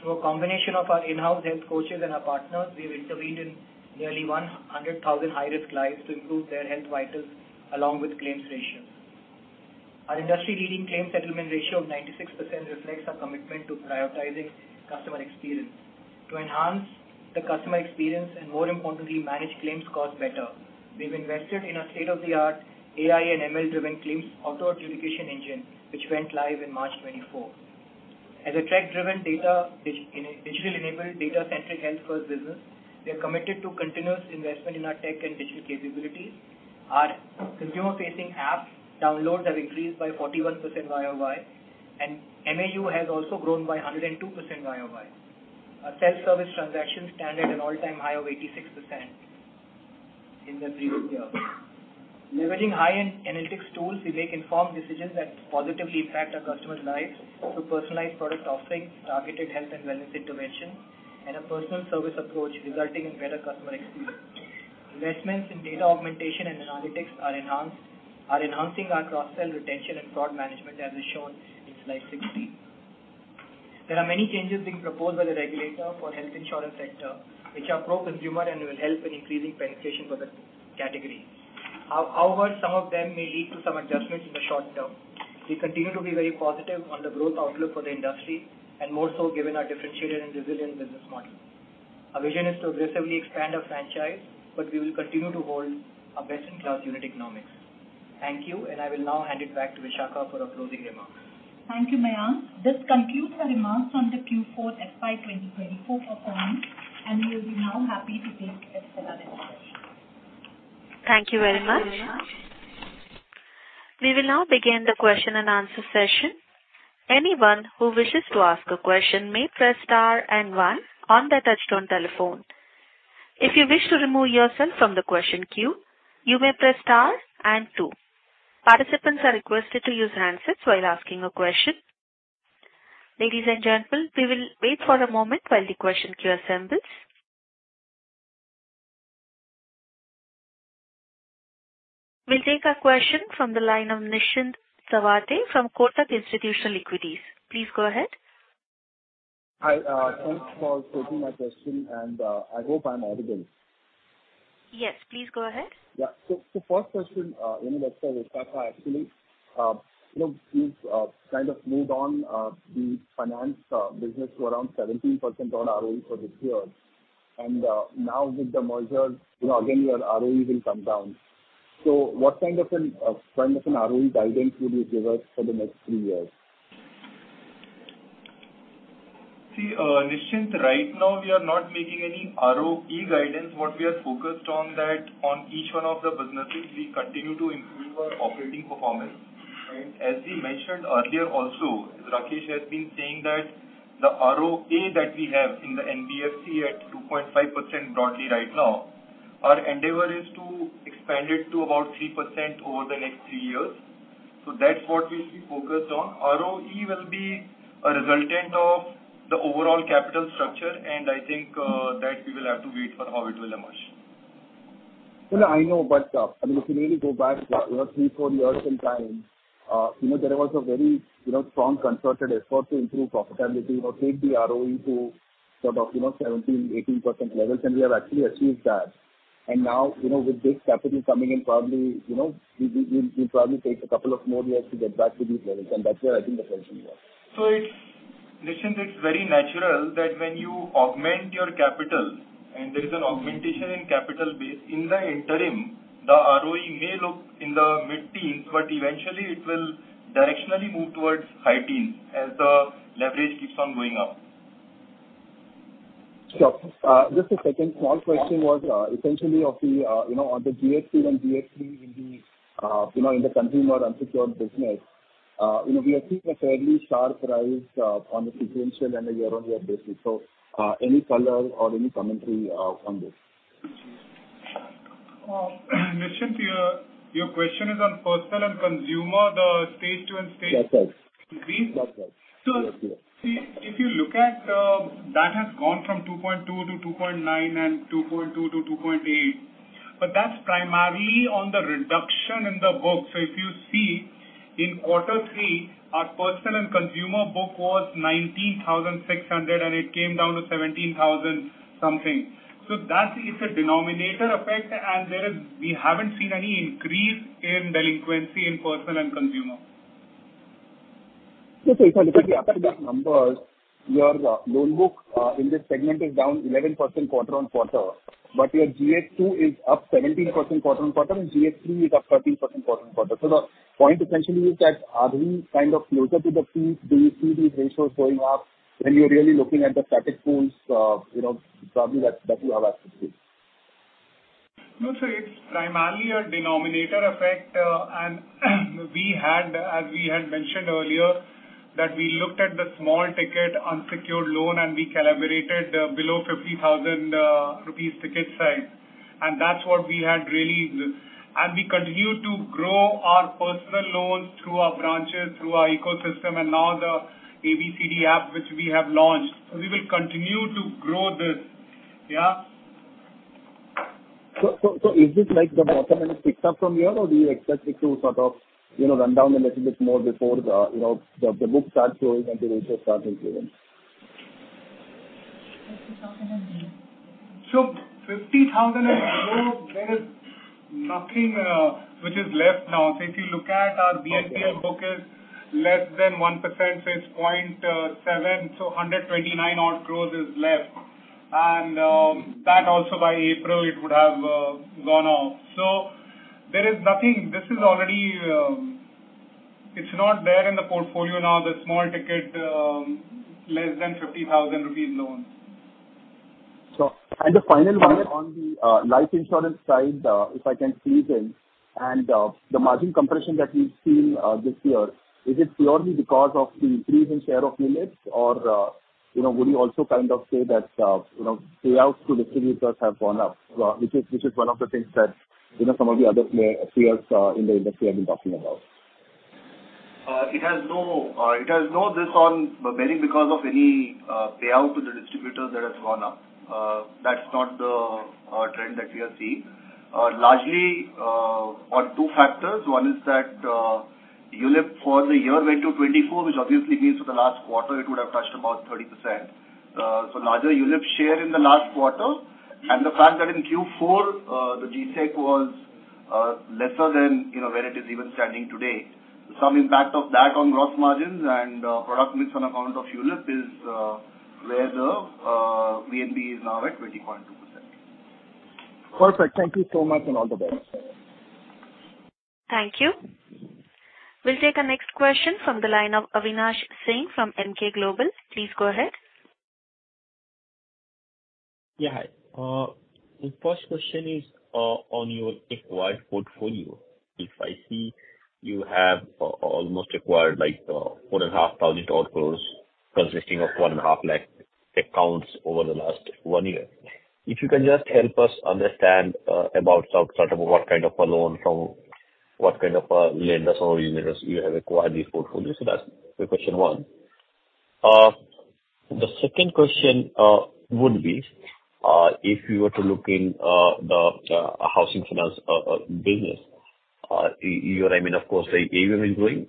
Through a combination of our in-house health coaches and our partners, we have intervened in nearly 100,000 high-risk lives to improve their health vitals along with claims ratios. Our industry-leading claim settlement ratio of 96% reflects our commitment to prioritizing customer experience. To enhance the customer experience and, more importantly, manage claims costs better, we've invested in a state-of-the-art AI and ML-driven claims auto-adjudication engine, which went live in March 2024. As a tech-driven, digital-enabled, data-centric Health First business, we are committed to continuous investment in our tech and digital capabilities. Our consumer-facing app downloads have increased by 41% by OI, and MAU has also grown by 102% by OI. Our self-service transactions stand at an all-time high of 86% in the previous year. Leveraging high-end analytics tools, we make informed decisions that positively impact our customers' lives through personalized product offerings, targeted health and wellness interventions, and a personal service approach resulting in better customer experience. Investments in data augmentation and analytics are enhancing our cross-sell retention and fraud management, as is shown in slide 16. There are many changes being proposed by the regulator for the health insurance sector, which are pro-consumer and will help in increasing penetration for the category. However, some of them may lead to some adjustments in the short term. We continue to be very positive on the growth outlook for the industry, and more so given our differentiated and resilient business model. Our vision is to aggressively expand our franchise, but we will continue to hold our best-in-class unit economics. Thank you, and I will now hand it back to Vishakha for her closing remarks. Thank you, Mayank. This concludes our remarks on the Q4 FY 2024 for funds, and we will be now happy to take analysts' questions. Thank you very much. We will now begin the question and answer session. Anyone who wishes to ask a question may press star and one on the touch-tone telephone. If you wish to remove yourself from the question queue, you may press star and two. Participants are requested to use handsets while asking a question. Ladies and gentlemen, we will wait for a moment while the question queue assembles. We'll take a question from the line of Nischint Chawathe from Kotak Institutional Equities. Please go ahead. Hi. Thanks for taking my question, and I hope I'm audible. Yes. Please go ahead. Yeah. So first question, anyway, actually, we've kind of moved on the finance business to around 17% odd ROE for this year. And now with the merger, again, your ROE will come down. So what kind of an ROE guidance would you give us for the next three years? See, Nishant, right now, we are not making any ROE guidance. What we are focused on is that on each one of the businesses, we continue to improve our operating performance. And as we mentioned earlier also, Rakesh has been saying that the ROE that we have in the NBFC at 2.5% broadly right now, our endeavor is to expand it to about 3% over the next three years. So that's what we should be focused on. ROE will be a resultant of the overall capital structure, and I think that we will have to wait for how it will emerge. Well, I know, but I mean, if you really go back three, four years in time, there was a very strong concerted effort to improve profitability, take the ROE to sort of 17%-18% levels, and we have actually achieved that. And now, with big capital coming in, probably we'll probably take a couple of more years to get back to these levels, and that's where, I think, the question was. So Nischint, it's very natural that when you augment your capital and there is an augmentation in capital base, in the interim, the ROE may look in the mid-teens, but eventually, it will directionally move towards high-teens as the leverage keeps on going up. Just a second. Small question was essentially on the GNPA and GNPA in the consumer unsecured business. We have seen a fairly sharp rise on the sequential and the year-on-year basis. So any color or any commentary on this? Nischint, your question is on personal and consumer, the stage 2 and stage 3? That's right. That's right. If you look at that, it has gone from 2.2 to 2.9 and 2.2 to 2.8, but that's primarily on the reduction in the book. If you see, in quarter three, our personal and consumer book was 19,600, and it came down to 17,000-something. It's a denominator effect, and we haven't seen any increase in delinquency in personal and consumer. Okay. So if I look at the numbers, your loan book in this segment is down 11% quarter-on-quarter, but your GS2 is up 17% quarter-on-quarter, and GS3 is up 13% quarter-on-quarter. So the point essentially is that are we kind of closer to the peak? Do you see these ratios going up when you're really looking at the static pools? Probably that's what you have asked us to. No, so it's primarily a denominator effect. And as we had mentioned earlier, we looked at the small-ticket unsecured loan, and we calibrated below 50,000 rupees ticket size. And that's what we had really and we continue to grow our personal loans through our branches, through our ecosystem, and now the ABCD app, which we have launched. So we will continue to grow this. Yeah? So is this the bottom and it picks up from here, or do you expect it to sort of run down a little bit more before the books start growing and the ratios start increasing? 50,000 and below, there is nothing which is left now. If you look at our BNPL book, it's less than 1%, so it's 0.7%, so 129-odd crore is left. And that also, by April, it would have gone off. There is nothing. This is already; it's not there in the portfolio now, the small-ticket less than INR 50,000 loans. The final one on the life insurance side, if I can squeeze in, and the margin compression that we've seen this year, is it purely because of the increase in share of units, or would you also kind of say that payouts to distributors have gone up, which is one of the things that some of the other players in the industry have been talking about? It has no impact on margins because of any payout to the distributor that has gone up. That's not the trend that we are seeing. Largely on two factors. One is that ULIP for the year went to 24%, which obviously means for the last quarter, it would have touched about 30%. So larger ULIP share in the last quarter and the fact that in Q4, the GSEC was lesser than where it is even standing today. Some impact of that on gross margins and product mix on account of ULIP is where the VNB is now at 20.2%. Perfect. Thank you so much, and all the best. Thank you. We'll take a next question from the line of Avinash Singh from Emkay Global. Please go ahead. Yeah. Hi. The first question is on your acquired portfolio. If I see you have almost acquired 4,500-odd crore consisting of 1,500,000 accounts over the last 1 year. If you can just help us understand about sort of what kind of a loan from what kind of a lenders or unitors you have acquired this portfolio. So that's question one. The second question would be if you were to look in the housing finance business, I mean, of course, the AUM is growing,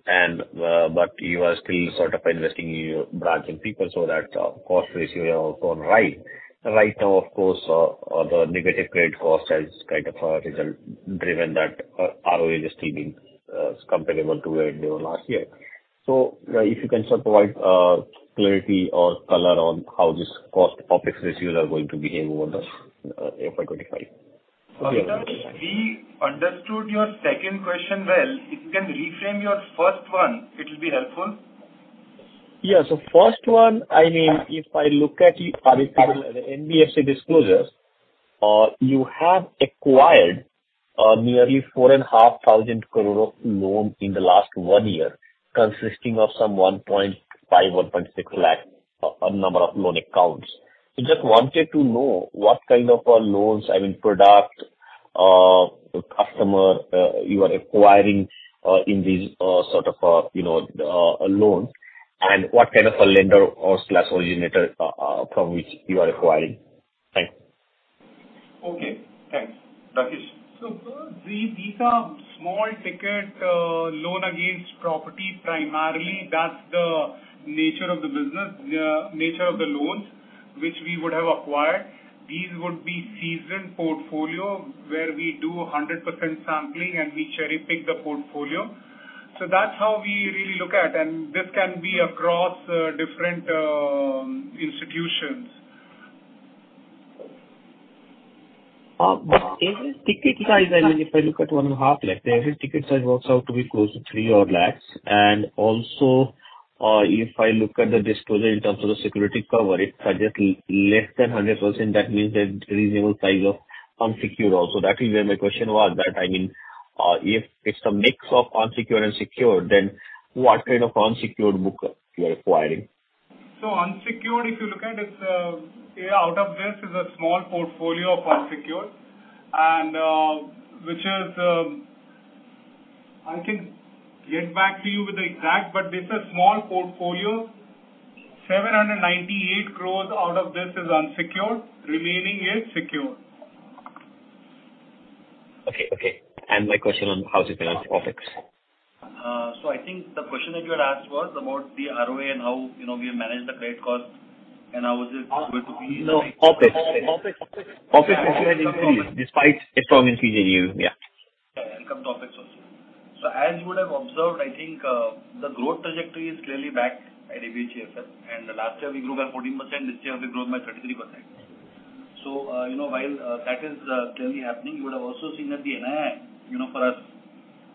but you are still sort of investing in your branch and people, so that cost ratio is also on the right. Right now, of course, the negative credit cost has kind of resulted in that ROE is still being comparable to where it did last year. If you can sort of provide clarity or color on how these cost income ratios are going to behave over the FY 2025? We understood your second question well. If you can reframe your first one, it will be helpful. Yeah. So first one, I mean, if I look at the NBFC disclosures, you have acquired nearly 4,500 crore of loan in the last one year consisting of some 150,000-160,000 number of loan accounts. So just wanted to know what kind of loans, I mean, product, customer you are acquiring in these sort of loans and what kind of a lender or slash originator from which you are acquiring. Thanks. Okay. Thanks, Rakesh. So these are small-ticket loans against property. Primarily, that's the nature of the business, nature of the loans which we would have acquired. These would be seasoned portfolio where we do 100% sampling, and we cherry-pick the portfolio. So that's how we really look at, and this can be across different institutions. But every ticket size, I mean, if I look at 1,500,000, every ticket size works out to be close to 3-odd lakh. And also, if I look at the disclosure in terms of the security cover, it suggests less than 100%. That means that reasonable size of unsecured also. That is where my question was, that I mean, if it's a mix of unsecured and secured, then what kind of unsecured book you're acquiring? Unsecured, if you look at it, out of this, is a small portfolio of unsecured, which, I can get back to you with the exact, but this is a small portfolio. 798 crore out of this is unsecured. Remaining is secured. Okay. Okay. My question on housing finance OpEx? I think the question that you had asked was about the ROE and how we manage the credit cost, and how is it going to be? No. OpEx has increased despite a strong increase in you. Yeah. Sorry. I'll come to OpEx also. So as you would have observed, I think the growth trajectory is clearly back at ABSL. And last year, we grew by 14%. This year, we grew by 33%. So while that is clearly happening, you would have also seen at the NIM for us,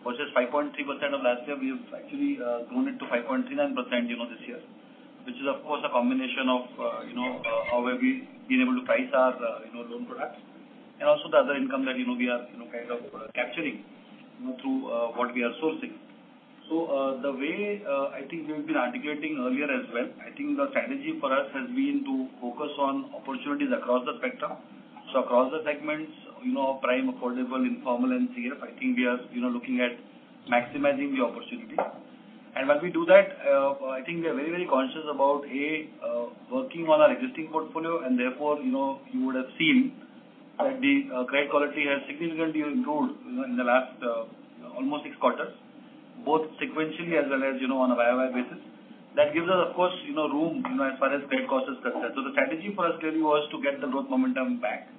which is 5.3% of last year, we have actually grown it to 5.39% this year, which is, of course, a combination of how we've been able to price our loan products and also the other income that we are kind of capturing through what we are sourcing. So the way I think we've been articulating earlier as well, I think the strategy for us has been to focus on opportunities across the spectrum. So across the segments, prime, affordable, informal, and CF, I think we are looking at maximizing the opportunity. And when we do that, I think we are very, very conscious about A, working on our existing portfolio, and therefore, you would have seen that the credit quality has significantly improved in the last almost six quarters, both sequentially as well as on a year-over-year basis. That gives us, of course, room as far as credit cost is concerned. So the strategy for us clearly was to get the growth momentum back,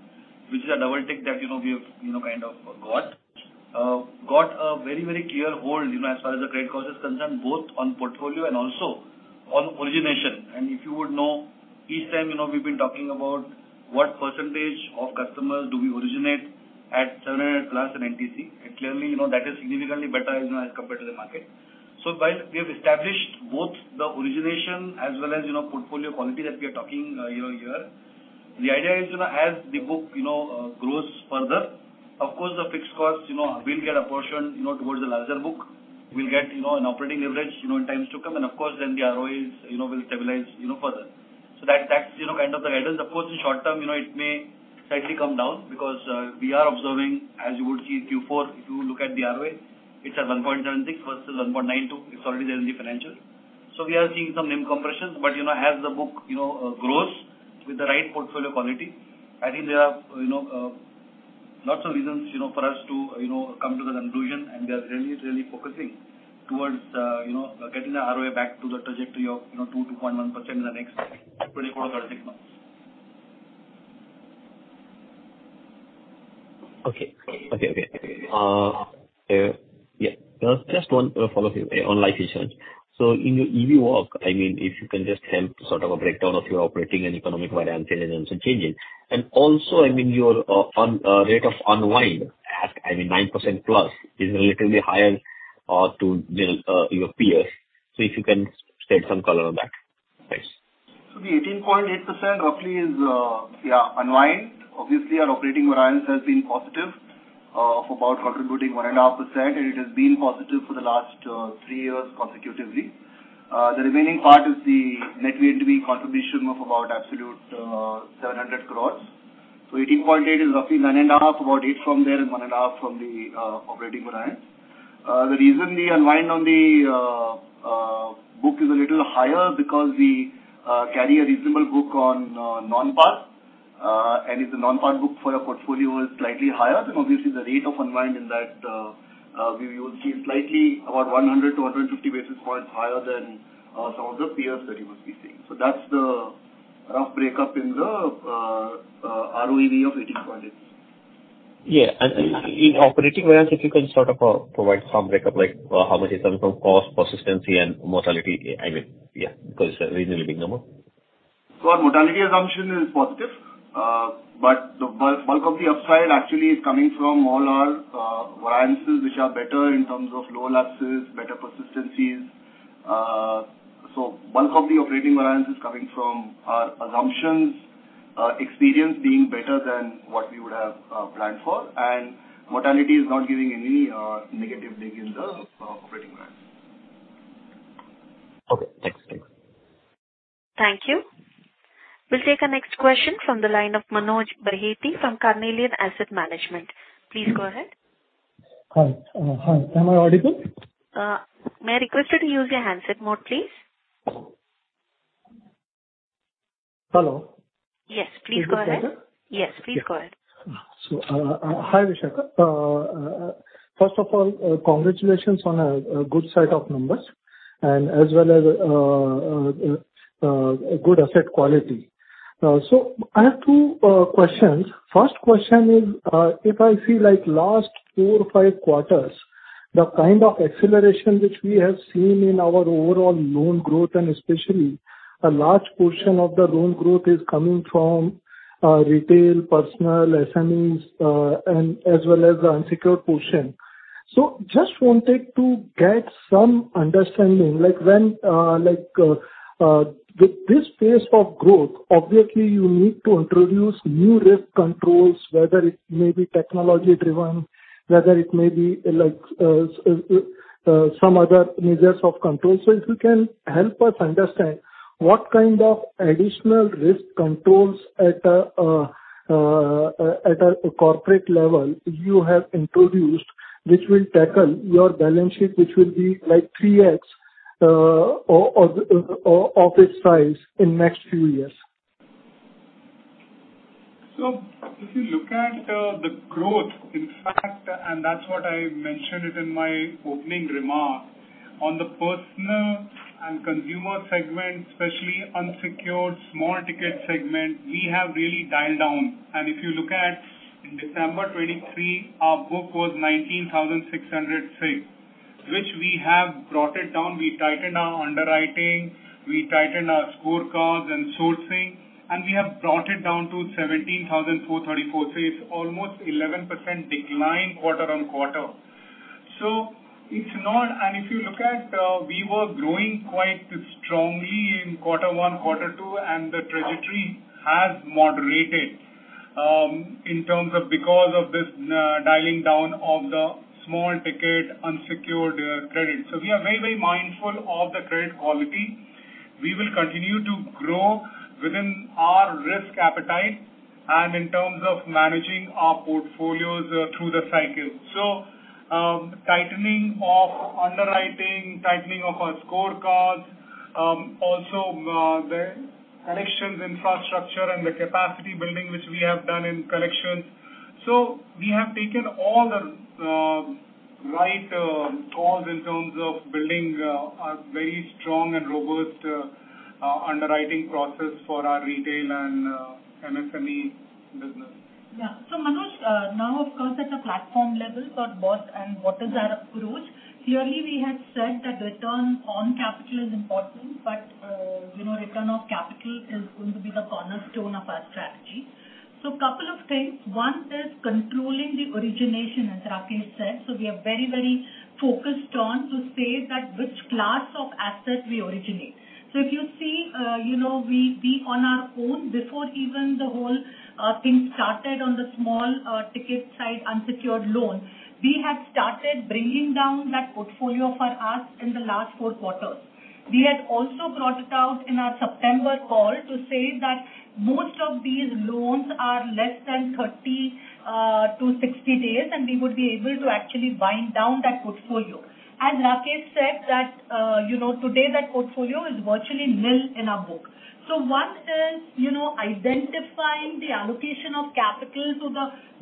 which is a double tick that we have kind of got a very, very clear hold as far as the credit cost is concerned, both on portfolio and also on origination. And if you would know, each time we've been talking about what percentage of customers do we originate at 700+ in NTC. Clearly, that is significantly better as compared to the market. So while we have established both the origination as well as portfolio quality that we are talking here, the idea is as the book grows further, of course, the fixed costs will get apportioned towards the larger book. We'll get an operating leverage in times to come. And of course, then the ROE will stabilize further. So that's kind of the guidance. Of course, in short term, it may slightly come down because we are observing, as you would see in Q4, if you look at the ROE, it's at 1.76 versus 1.92. It's already there in the financials. So we are seeing some NIM compressions. As the book grows with the right portfolio quality, I think there are lots of reasons for us to come to the conclusion, and we are really, really focusing towards getting the ROE back to the trajectory of 2%-2.1% in the next 24-36 months. Okay. Okay. Okay. Yeah. Just one follow-up on life insurance. So in your EV work, I mean, if you can just help sort of a breakdown of your operating and economic variance and changing. And also, I mean, your rate of unwind at, I mean, 9%+ is relatively higher to your peers. So if you can shed some color on that. Thanks. So the 18.8% roughly is, yeah, unwind. Obviously, our operating variance has been positive for about contributing 1.5%, and it has been positive for the last three years consecutively. The remaining part is the net VNB contribution of about absolute 700 crore. So 18.8 is roughly 9.5, about 8 from there and 1.5 from the operating variance. The reason the unwind on the book is a little higher because we carry a reasonable book on non-par, and if the non-par book for a portfolio is slightly higher, then obviously, the rate of unwind in that we will see slightly about 100-150 basis points higher than some of the peers that you must be seeing. So that's the rough breakup in the ROEV of 18.8. Yeah. In operating variance, if you can sort of provide some breakup, like how much is coming from cost, persistency, and mortality, I mean, yeah, because it's a reasonably big number. So our mortality assumption is positive, but the bulk of the upside actually is coming from all our variances, which are better in terms of low lapses, better persistencies. So bulk of the operating variance is coming from our assumptions, experience being better than what we would have planned for, and mortality is not giving any negative dig in the operating variance. Okay. Thanks. Thanks. Thank you. We'll take a next question from the line of Manoj Bahety from Carnelian Asset Management. Please go ahead. Hi. Hi. Am I audible? May I request you to use your handset mode, please? Hello? Yes. Please go ahead. Is this better? Yes. Please go ahead. So hi, Vishakha. First of all, congratulations on a good set of numbers and as well as good asset quality. So I have two questions. First question is, if I see last four or five quarters, the kind of acceleration which we have seen in our overall loan growth, and especially a large portion of the loan growth is coming from retail, personal, SMEs, as well as the unsecured portion. So just one take to get some understanding. With this pace of growth, obviously, you need to introduce new risk controls, whether it may be technology-driven, whether it may be some other measures of control. So if you can help us understand what kind of additional risk controls at a corporate level you have introduced which will tackle your balance sheet, which will be 3X of its size in the next few years. So if you look at the growth, in fact, and that's what I mentioned in my opening remark, on the personal and consumer segment, especially unsecured small-ticket segment, we have really dialed down. And if you look at in December 2023, our book was 19,606, which we have brought it down. We tightened our underwriting. We tightened our scorecards and sourcing, and we have brought it down to 17,434. So it's almost 11% decline quarter-over-quarter. And if you look at we were growing quite strongly in quarter one, quarter two, and the trajectory has moderated because of this dialing down of the small-ticket unsecured credit. So we are very, very mindful of the credit quality. We will continue to grow within our risk appetite and in terms of managing our portfolios through the cycle. Tightening of underwriting, tightening of our scorecards, also the collections infrastructure, and the capacity building which we have done in collections. We have taken all the right calls in terms of building a very strong and robust underwriting process for our retail and MSME business. Yeah. So Manoj, now, of course, at a platform level about what is our approach, clearly, we have said that return on capital is important, but return of capital is going to be the cornerstone of our strategy. So a couple of things. One is controlling the origination, as Rakesh said. So we are very, very focused on to say which class of asset we originate. So if you see, we on our own, before even the whole thing started on the small-ticket side unsecured loan, we had started bringing down that portfolio for us in the last four quarters. We had also brought it out in our September call to say that most of these loans are less than 30-60 days, and we would be able to actually wind down that portfolio. As Rakesh said, today, that portfolio is virtually nil in our book. So one is identifying the allocation of capital to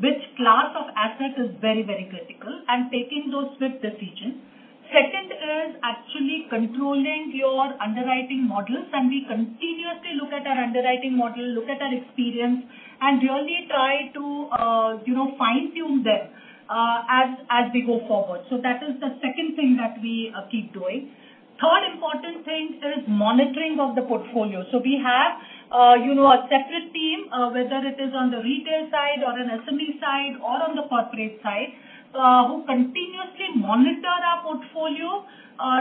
which class of asset is very, very critical and taking those swift decisions. Second is actually controlling your underwriting models. And we continuously look at our underwriting model, look at our experience, and really try to fine-tune them as we go forward. So that is the second thing that we keep doing. Third important thing is monitoring of the portfolio. So we have a separate team, whether it is on the retail side or an SME side or on the corporate side, who continuously monitor our portfolio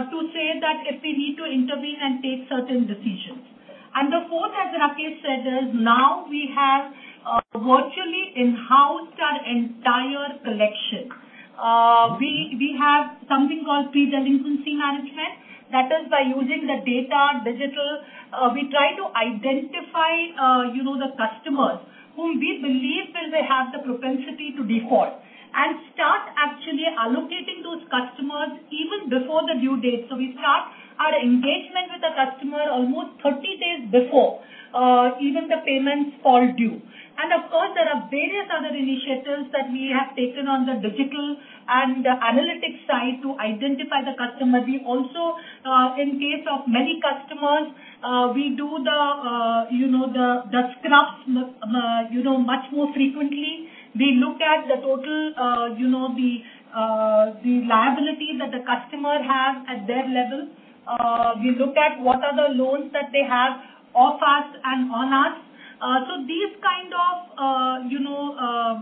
to say that if we need to intervene and take certain decisions. And the fourth, as Rakesh said, is now we have virtually in-house our entire collection. We have something called pre-delinquency management. That is by using the data digital, we try to identify the customers whom we believe will have the propensity to default and start actually allocating those customers even before the due date. We start our engagement with a customer almost 30 days before even the payments fall due. Of course, there are various other initiatives that we have taken on the digital and analytics side to identify the customer. Also, in case of many customers, we do the scrubs much more frequently. We look at the total liability that the customer has at their level. We look at what are the loans that they have off us and on us. These kind of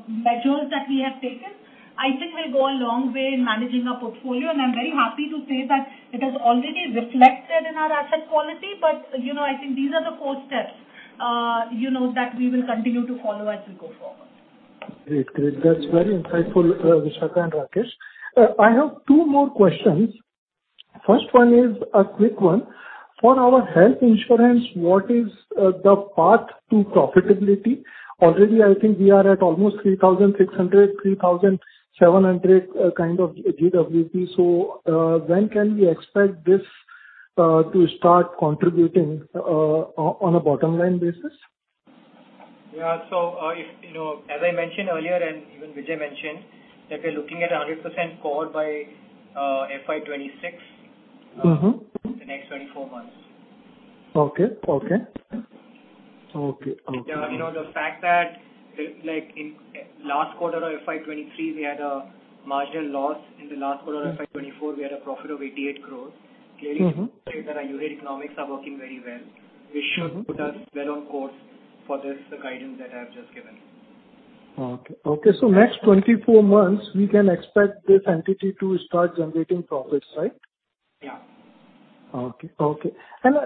measures that we have taken, I think, will go a long way in managing our portfolio. I'm very happy to say that it has already reflected in our asset quality. But I think these are the four steps that we will continue to follow as we go forward. Great. Great. That's very insightful, Vishakha and Rakesh. I have two more questions. First one is a quick one. For our health insurance, what is the path to profitability? Already, I think we are at almost 3,600-3,700 kind of GWP. So when can we expect this to start contributing on a bottom-line basis? Yeah. So as I mentioned earlier and even Vijay mentioned that we're looking at 100% COR by FY 2026 in the next 24 months. Okay. Okay. Okay. Okay. Yeah. The fact that in last quarter of FY 2023, we had a marginal loss. In the last quarter of FY 2024, we had a profit of 88 crore. Clearly, to say that our unit economics are working very well, which should put us well on course for this guidance that I have just given. Okay. Okay. Next 24 months, we can expect this entity to start generating profits, right? Yeah. Okay. Okay.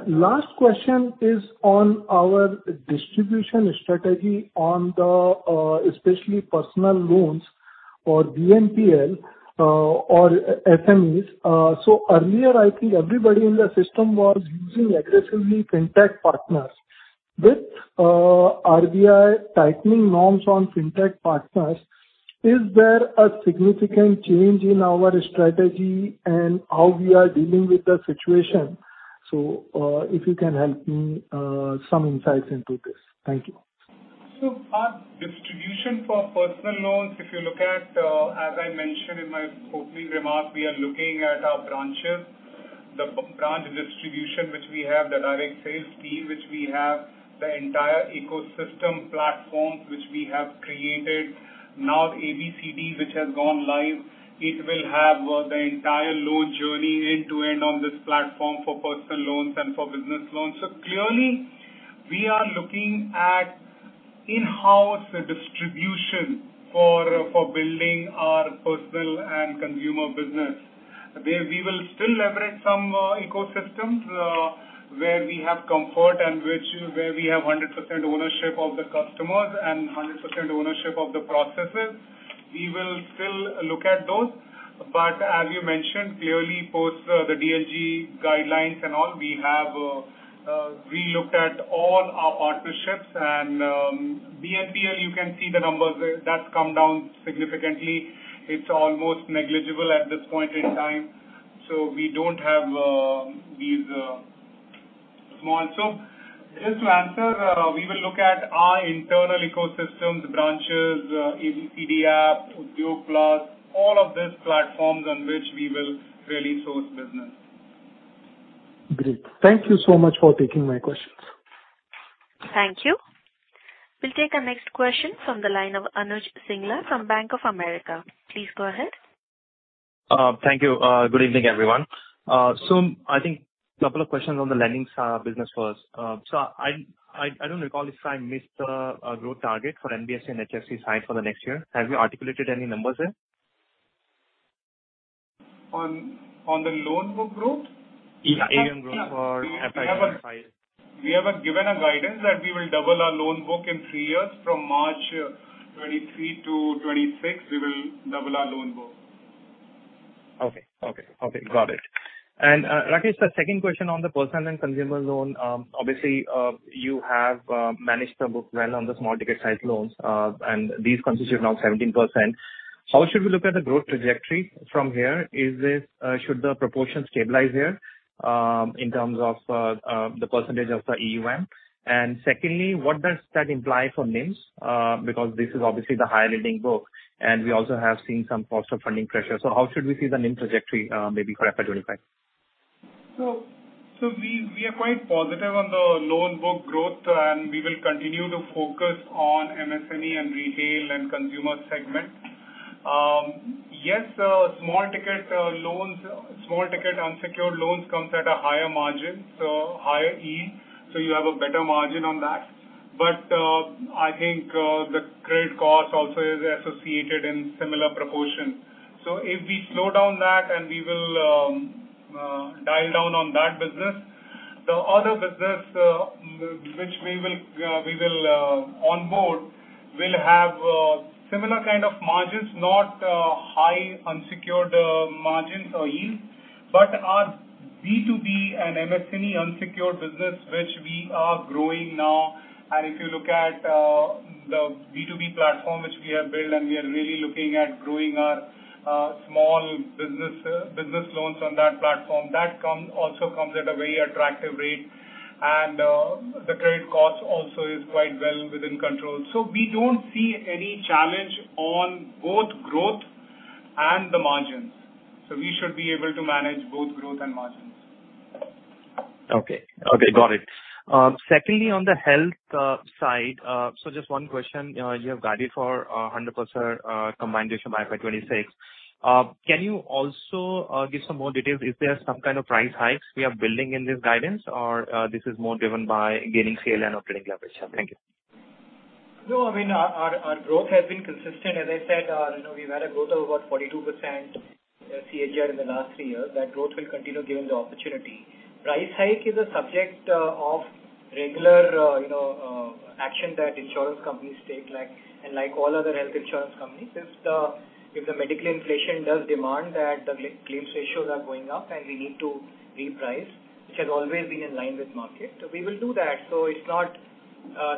Last question is on our distribution strategy, especially personal loans or BNPL or SMEs. So earlier, I think everybody in the system was using aggressively fintech partners. With RBI tightening norms on fintech partners, is there a significant change in our strategy and how we are dealing with the situation? So if you can help me some insights into this. Thank you. So our distribution for personal loans, if you look at as I mentioned in my opening remark, we are looking at our branches, the branch distribution which we have, the direct sales team which we have, the entire ecosystem platform which we have created, now ABCD, which has gone live. It will have the entire loan journey end-to-end on this platform for personal loans and for business loans. So clearly, we are looking at in-house distribution for building our personal and consumer business. We will still leverage some ecosystems where we have comfort and where we have 100% ownership of the customers and 100% ownership of the processes. We will still look at those. But as you mentioned, clearly, post the DLG guidelines and all, we have relooked at all our partnerships. And BNPL, you can see the numbers. That's come down significantly. It's almost negligible at this point in time. So we don't have these small, so just to answer, we will look at our internal ecosystems, branches, ABCD app, Udyog Plus, all of these platforms on which we will really source business. Great. Thank you so much for taking my questions. Thank you. We'll take a next question from the line of Anuj Singla from Bank of America. Please go ahead. Thank you. Good evening, everyone. I think a couple of questions on the lending business first. I don't recall if I missed a growth target for NBFC and HFC side for the next year. Have you articulated any numbers there? On the loan book growth? Yeah. AUM growth for FY 2025. We have given a guidance that we will double our loan book in three years. From March 2023 to 2026, we will double our loan book. Okay. Okay. Okay. Got it. And Rakesh, the second question on the personal and consumer loan, obviously, you have managed the book well on the small-ticket side loans, and these constitute now 17%. How should we look at the growth trajectory from here? Should the proportion stabilize here in terms of the percentage of the AUM? And secondly, what does that imply for NIMs because this is obviously the higher lending book, and we also have seen some cost of funding pressure? So how should we see the NIMs trajectory maybe for FY 2025? So we are quite positive on the loan book growth, and we will continue to focus on MSME and retail and consumer segment. Yes, small-ticket unsecured loans come at a higher margin, so higher yield. So you have a better margin on that. But I think the credit cost also is associated in similar proportion. So if we slow down that and we will dial down on that business, the other business which we will onboard will have similar kind of margins, not high unsecured margins or yield, but our B2B and MSME unsecured business which we are growing now. And if you look at the B2B platform which we have built, and we are really looking at growing our small business loans on that platform, that also comes at a very attractive rate. And the credit cost also is quite well within control. We don't see any challenge on both growth and the margins. We should be able to manage both growth and margins. Okay. Okay. Got it. Secondly, on the health side, so just one question. You have guided for 100% combined ratio by FY 2026. Can you also give some more details? Is there some kind of price hikes we are building in this guidance, or this is more driven by gaining scale and operating leverage? Thank you. No. I mean, our growth has been consistent. As I said, we've had a growth of about 42% CAGR in the last three years. That growth will continue given the opportunity. Price hike is a subject of regular action that insurance companies take, and like all other health insurance companies, if the medical inflation does demand that the claims ratios are going up and we need to reprice, which has always been in line with market, we will do that. So it's not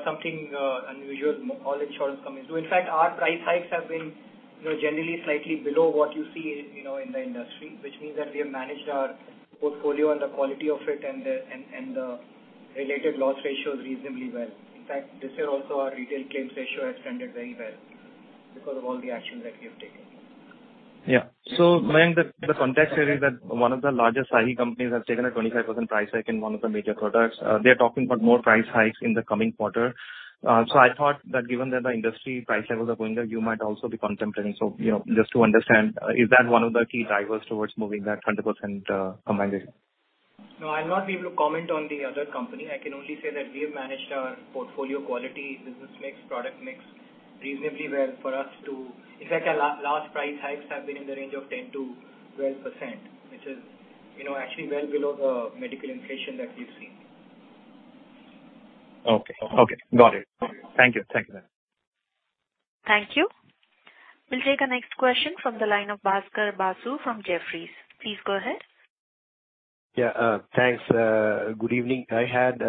something unusual. All insurance companies do. In fact, our price hikes have been generally slightly below what you see in the industry, which means that we have managed our portfolio and the quality of it and the related loss ratios reasonably well. In fact, this year also, our retail claims ratio has trended very well because of all the actions that we have taken. Yeah. So Mayank, the context here is that one of the largest ABHI companies has taken a 25% price hike in one of the major products. They are talking about more price hikes in the coming quarter. So I thought that given that the industry price levels are going up, you might also be contemplating. So just to understand, is that one of the key drivers towards moving that 100% combined ratio? No. I'll not be able to comment on the other company. I can only say that we have managed our portfolio quality, business mix, product mix reasonably well for us to, in fact, our last price hikes have been in the range of 10%-12%, which is actually well below the medical inflation that we've seen. Okay. Okay. Got it. Thank you. Thank you, Mayank. Thank you. We'll take a next question from the line of Bhaskar Basu from Jefferies. Please go ahead. Yeah. Thanks. Good evening. I had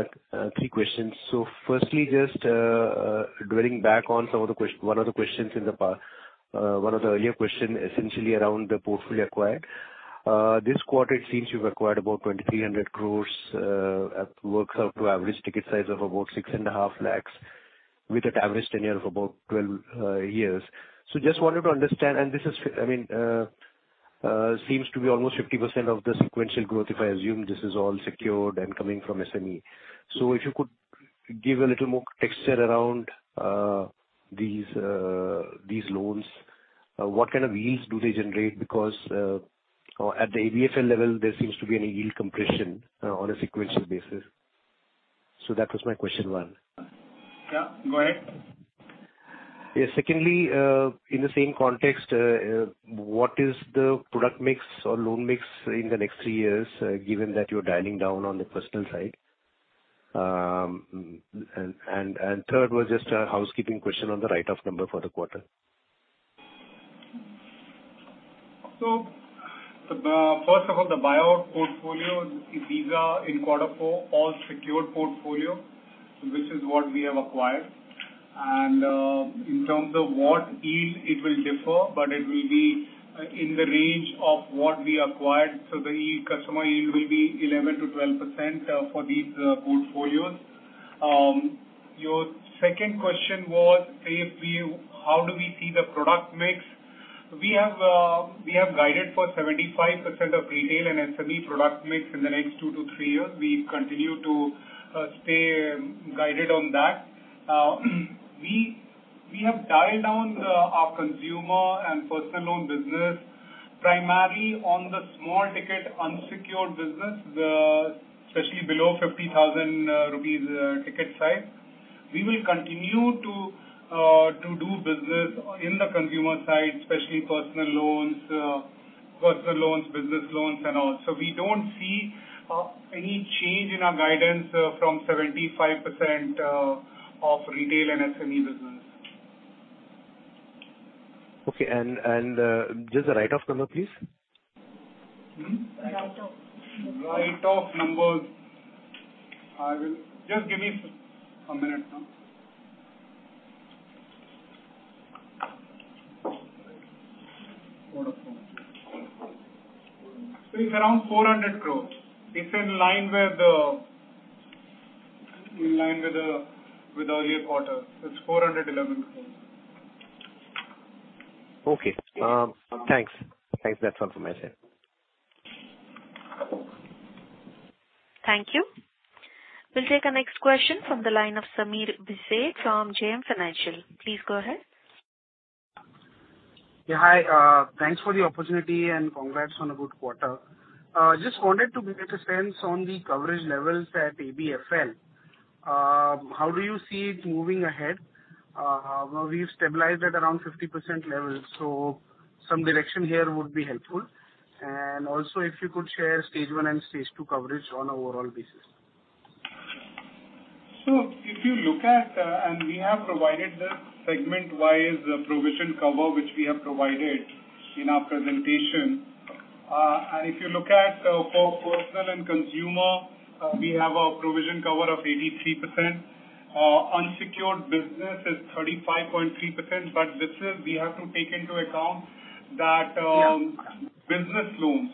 three questions. So firstly, just dwelling back on one of the questions in the one of the earlier questions, essentially, around the portfolio acquired. This quarter, it seems you've acquired about 2,300 crore. It works out to average ticket size of about 6.5 lakh with an average tenure of about 12 years. So just wanted to understand, and this is, I mean, seems to be almost 50% of the sequential growth, if I assume this is all secured and coming from SME. So if you could give a little more texture around these loans, what kind of yields do they generate? Because at the ABFL level, there seems to be any yield compression on a sequential basis. So that was my question one. Yeah. Go ahead. Yeah. Secondly, in the same context, what is the product mix or loan mix in the next three years given that you're dialing down on the personal side? And third was just a housekeeping question on the write-off number for the quarter. So first of all, the buyout portfolio, these are in quarter four, all secured portfolio, which is what we have acquired. And in terms of what yield, it will differ, but it will be in the range of what we acquired. So the customer yield will be 11%-12% for these portfolios. Your second question was how do we see the product mix? We have guided for 75% of retail and SME product mix in the next two to three years. We continue to stay guided on that. We have dialed down our consumer and personal loan business primarily on the small-ticket unsecured business, especially below 50,000 rupees ticket size. We will continue to do business in the consumer side, especially personal loans, business loans, and all. So we don't see any change in our guidance from 75% of retail and SME business. Okay. And just the write-off number, please. Write-off number. I will just give me a minute. Quarter four. So it's around 400 crore. It's in line with the earlier quarter. It's 411 crore. Okay. Thanks. Thanks. That's all from my side. Thank you. We'll take a next question from the line of Sameer Bhise from JM Financial. Please go ahead. Yeah. Hi. Thanks for the opportunity, and congrats on a good quarter. Just wanted to make sense on the coverage levels at ABFL. How do you see it moving ahead? We've stabilized at around 50% levels. So some direction here would be helpful. And also, if you could share stage 1 and stage 2 coverage on an overall basis. So if you look at and we have provided the segment-wise provision cover which we have provided in our presentation. And if you look at for personal and consumer, we have a provision cover of 83%. Unsecured business is 35.3%. But we have to take into account that business loans,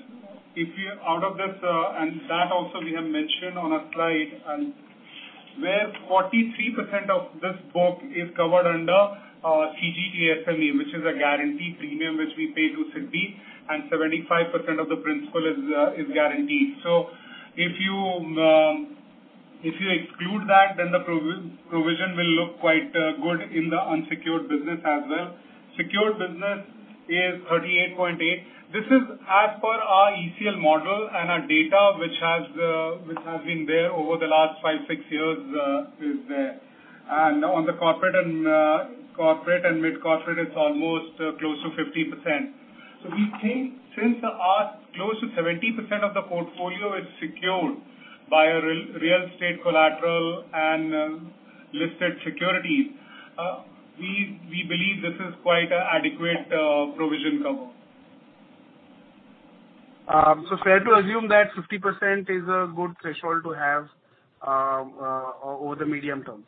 out of this and that also, we have mentioned on a slide, where 43% of this book is covered under CGTSME, which is a guaranteed premium which we pay to SIDBI, and 75% of the principal is guaranteed. So if you exclude that, then the provision will look quite good in the unsecured business as well. Secured business is 38.8%. This is as per our ECL model, and our data which has been there over the last five, six years is there. And on the corporate and mid-corporate, it's almost close to 50%. We think since close to 70% of the portfolio is secured via real estate collateral and listed securities, we believe this is quite adequate provision coverage. Fair to assume that 50% is a good threshold to have over the medium term?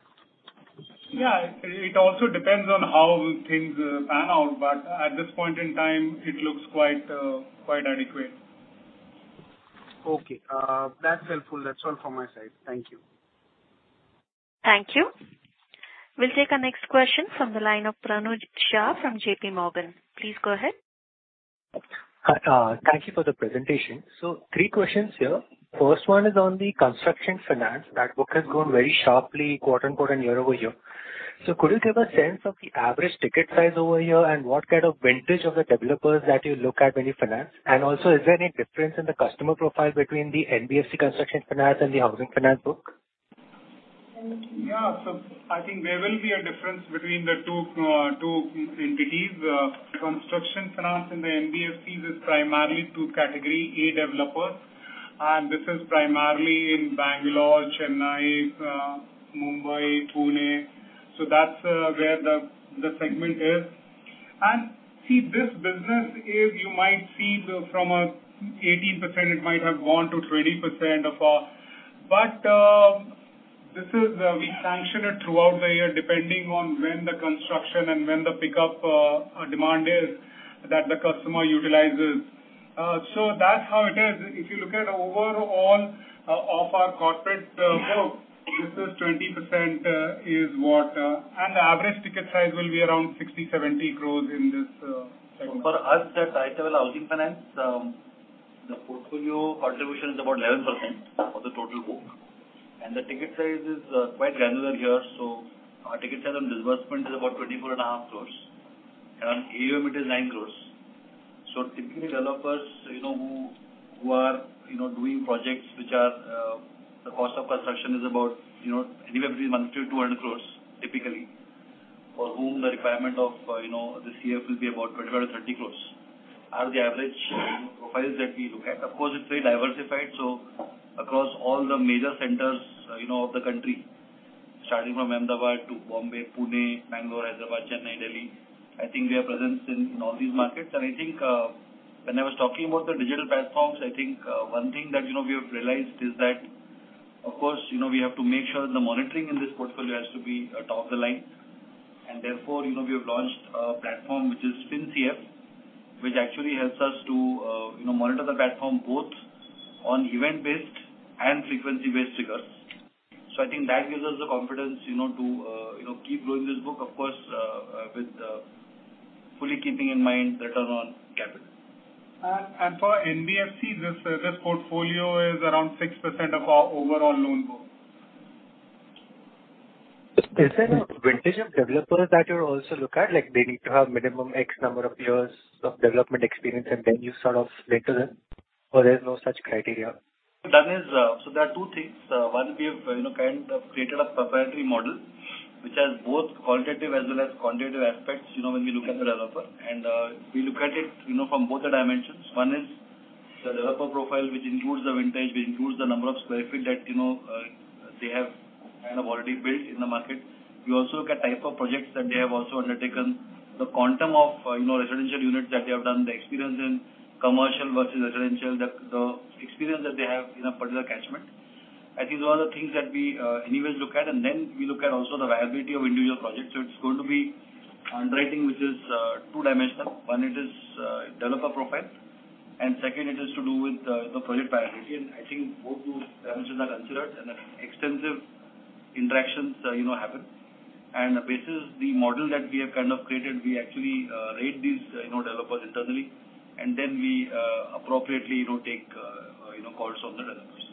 Yeah. It also depends on how things pan out. But at this point in time, it looks quite adequate. Okay. That's helpful. That's all from my side. Thank you. Thank you. We'll take a next question from the line of Pranuj Shah from JPMorgan. Please go ahead. Thank you for the presentation. So three questions here. First one is on the construction finance. That book has grown very sharply year-over-year. So could you give a sense of the average ticket size year-over-year and what kind of vintage of the developers that you look at when you finance? And also, is there any difference in the customer profile between the NBFC construction finance and the housing finance book? Yeah. So I think there will be a difference between the two entities. Construction finance and the NBFCs is primarily two-category A developers. And this is primarily in Bengaluru, Chennai, Mumbai, Pune. So that's where the segment is. And see, this business, you might see from 18%, it might have gone to 20% of our but we sanction it throughout the year depending on when the construction and when the pickup demand is that the customer utilizes. So that's how it is. If you look at overall of our corporate book, this is 20% is what and the average ticket size will be around 60-70 crore in this segment. For us, Aditya Birla Housing finance, the portfolio contribution is about 11% of the total book. The ticket size is quite granular here. Our ticket size on disbursement is about 24.5 crores. And on AUM, it is 9 crore. Typically, developers who are doing projects which are the cost of construction is about anywhere between 150-200 crore typically, for whom the requirement of the CF will be about 25-30 crore are the average profiles that we look at. Of course, it's very diversified. Across all the major centers of the country, starting from Ahmedabad to Bombay, Pune, Bangalore, Hyderabad, Chennai, Delhi, I think we are present in all these markets. I think when I was talking about the digital platforms, I think one thing that we have realized is that, of course, we have to make sure that the monitoring in this portfolio has to be top of the line. Therefore, we have launched a platform which is FinCF, which actually helps us to monitor the platform both on event-based and frequency-based triggers. I think that gives us the confidence to keep growing this book, of course, with fully keeping in mind the return on capital. For NBFC, this portfolio is around 6% of our overall loan book? Is there a vintage of developers that you also look at? They need to have minimum X number of years of development experience, and then you sort of filter them? Or there's no such criteria? So there are two things. One, we have kind of created a proprietary model which has both qualitative as well as quantitative aspects when we look at the developer. And we look at it from both the dimensions. One is the developer profile which includes the vintage, which includes the number of square feet that they have kind of already built in the market. We also look at type of projects that they have also undertaken, the quantum of residential units that they have done, the experience in commercial versus residential, the experience that they have in a particular catchment. I think those are the things that we anyways look at. Then we look at also the viability of individual projects. So it's going to be underwriting which is two-dimensional. One, it is developer profile. Second, it is to do with the project viability. I think both those dimensions are considered, and extensive interactions happen. The model that we have kind of created, we actually rate these developers internally. Then we appropriately take calls from the developers.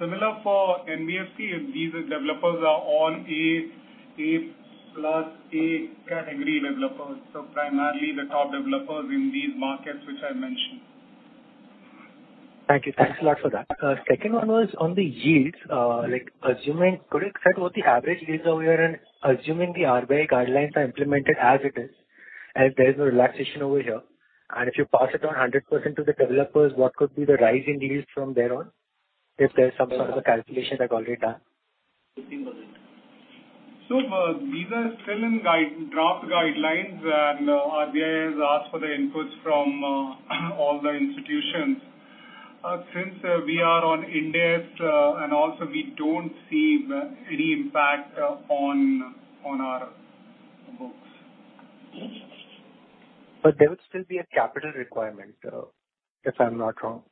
Similar for NBFC, these developers are all A plus A category developers, so primarily the top developers in these markets which I mentioned? Thank you. Thanks a lot for that. Second one was on the yields. Could you explain what the average yields are over here? And assuming the RBI guidelines are implemented as it is, and if there's no relaxation over here, and if you pass it on 100% to the developers, what could be the rise in yields from there on if there's some sort of a calculation that's already done? 15 budget. So these are still in draft guidelines, and RBI has asked for the inputs from all the institutions. Since we are on Ind AS, and also, we don't see any impact on our books. But there would still be a capital requirement if I'm not wrong.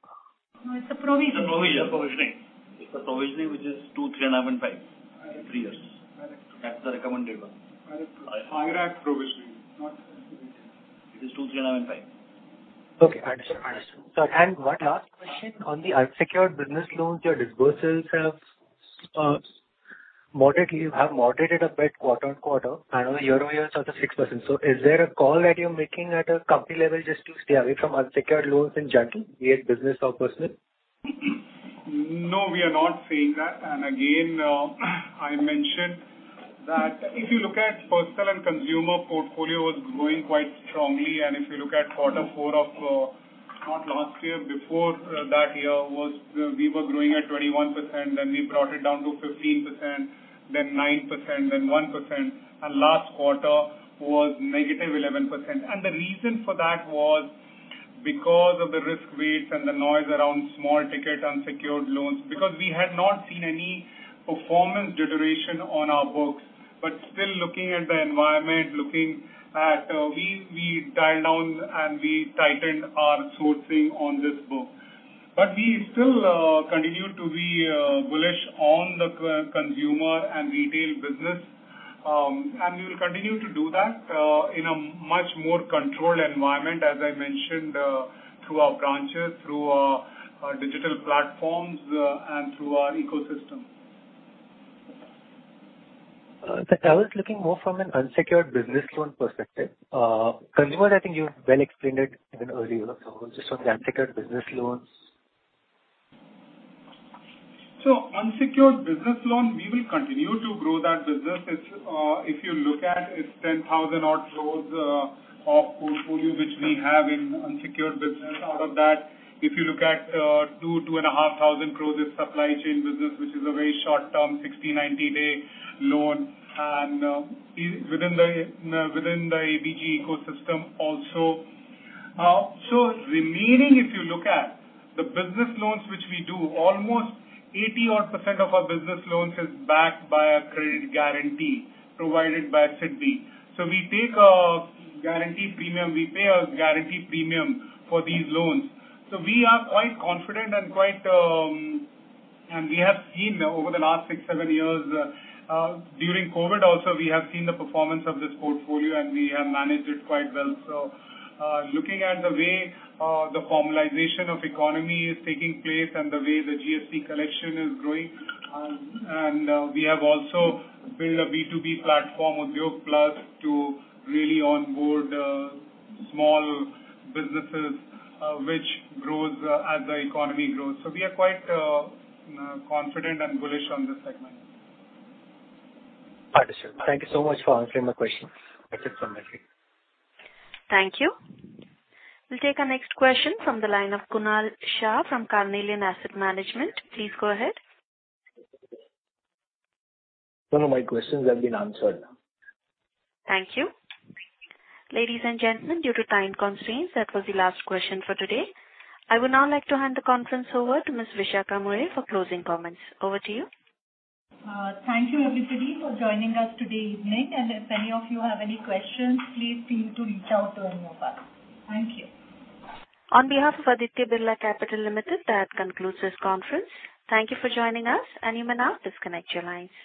No. It's a provision. It's a provision. It's a provisioning. It's a provisioning which is two, three, and a half, and five, three years. That's the recommended one. IRAC provisioning, not SME yield. It is 2, 3.5, and 5. Okay. Understood. Understood. One last question. On the unsecured business loans, your disbursals have moderated a bit quarter-on-quarter. On the year-over-year, it's also 6%. Is there a call that you're making at a company level just to stay away from unsecured loans in general, be it business or personal? No. We are not saying that. Again, I mentioned that if you look at personal and consumer portfolio was growing quite strongly. If you look at quarter four of not last year, before that year, we were growing at 21%. Then we brought it down to 15%, then 9%, then 1%. Last quarter was -11%. The reason for that was because of the risk weights and the noise around small-ticket unsecured loans because we had not seen any performance deterioration on our books. Still looking at the environment, looking at we dialed down, and we tightened our sourcing on this book. We still continue to be bullish on the consumer and retail business. We will continue to do that in a much more controlled environment, as I mentioned, through our branches, through our digital platforms, and through our ecosystem. I was looking more from an unsecured business loan perspective. Consumers, I think you well explained it in an earlier episode. Just on the unsecured business loans. So unsecured business loan, we will continue to grow that business. If you look at, it's 10,000-odd crore portfolio which we have in unsecured business. Out of that, if you look at 2,000-2,500 crore, it's supply chain business which is a very short-term, 60-90-day loan within the ABG ecosystem also. So remaining, if you look at the business loans which we do, almost 80-odd% of our business loans is backed by a credit guarantee provided by SIDBI. So we take a guarantee premium. We pay a guarantee premium for these loans. So we are quite confident and quite and we have seen over the last six-seven years during COVID also, we have seen the performance of this portfolio, and we have managed it quite well. So looking at the way the formalization of economy is taking place and the way the GST collection is growing, and we have also built a B2B platform, Udyog Plus, to really onboard small businesses which grows as the economy grows. So we are quite confident and bullish on this segment. Understood. Thank you so much for answering my question. That's it from my side. Thank you. We'll take our next question from the line of Kunal Shah from Carnelian Asset Management. Please go ahead. None of my questions have been answered. Thank you. Ladies and gentlemen, due to time constraints, that was the last question for today. I would now like to hand the conference over to Ms. Vishakha Mulye for closing comments. Over to you. Thank you, everybody, for joining us today evening. If any of you have any questions, please feel free to reach out to any of us. Thank you. On behalf of Aditya Birla Capital Limited, that concludes this conference. Thank you for joining us. You may now disconnect your lines.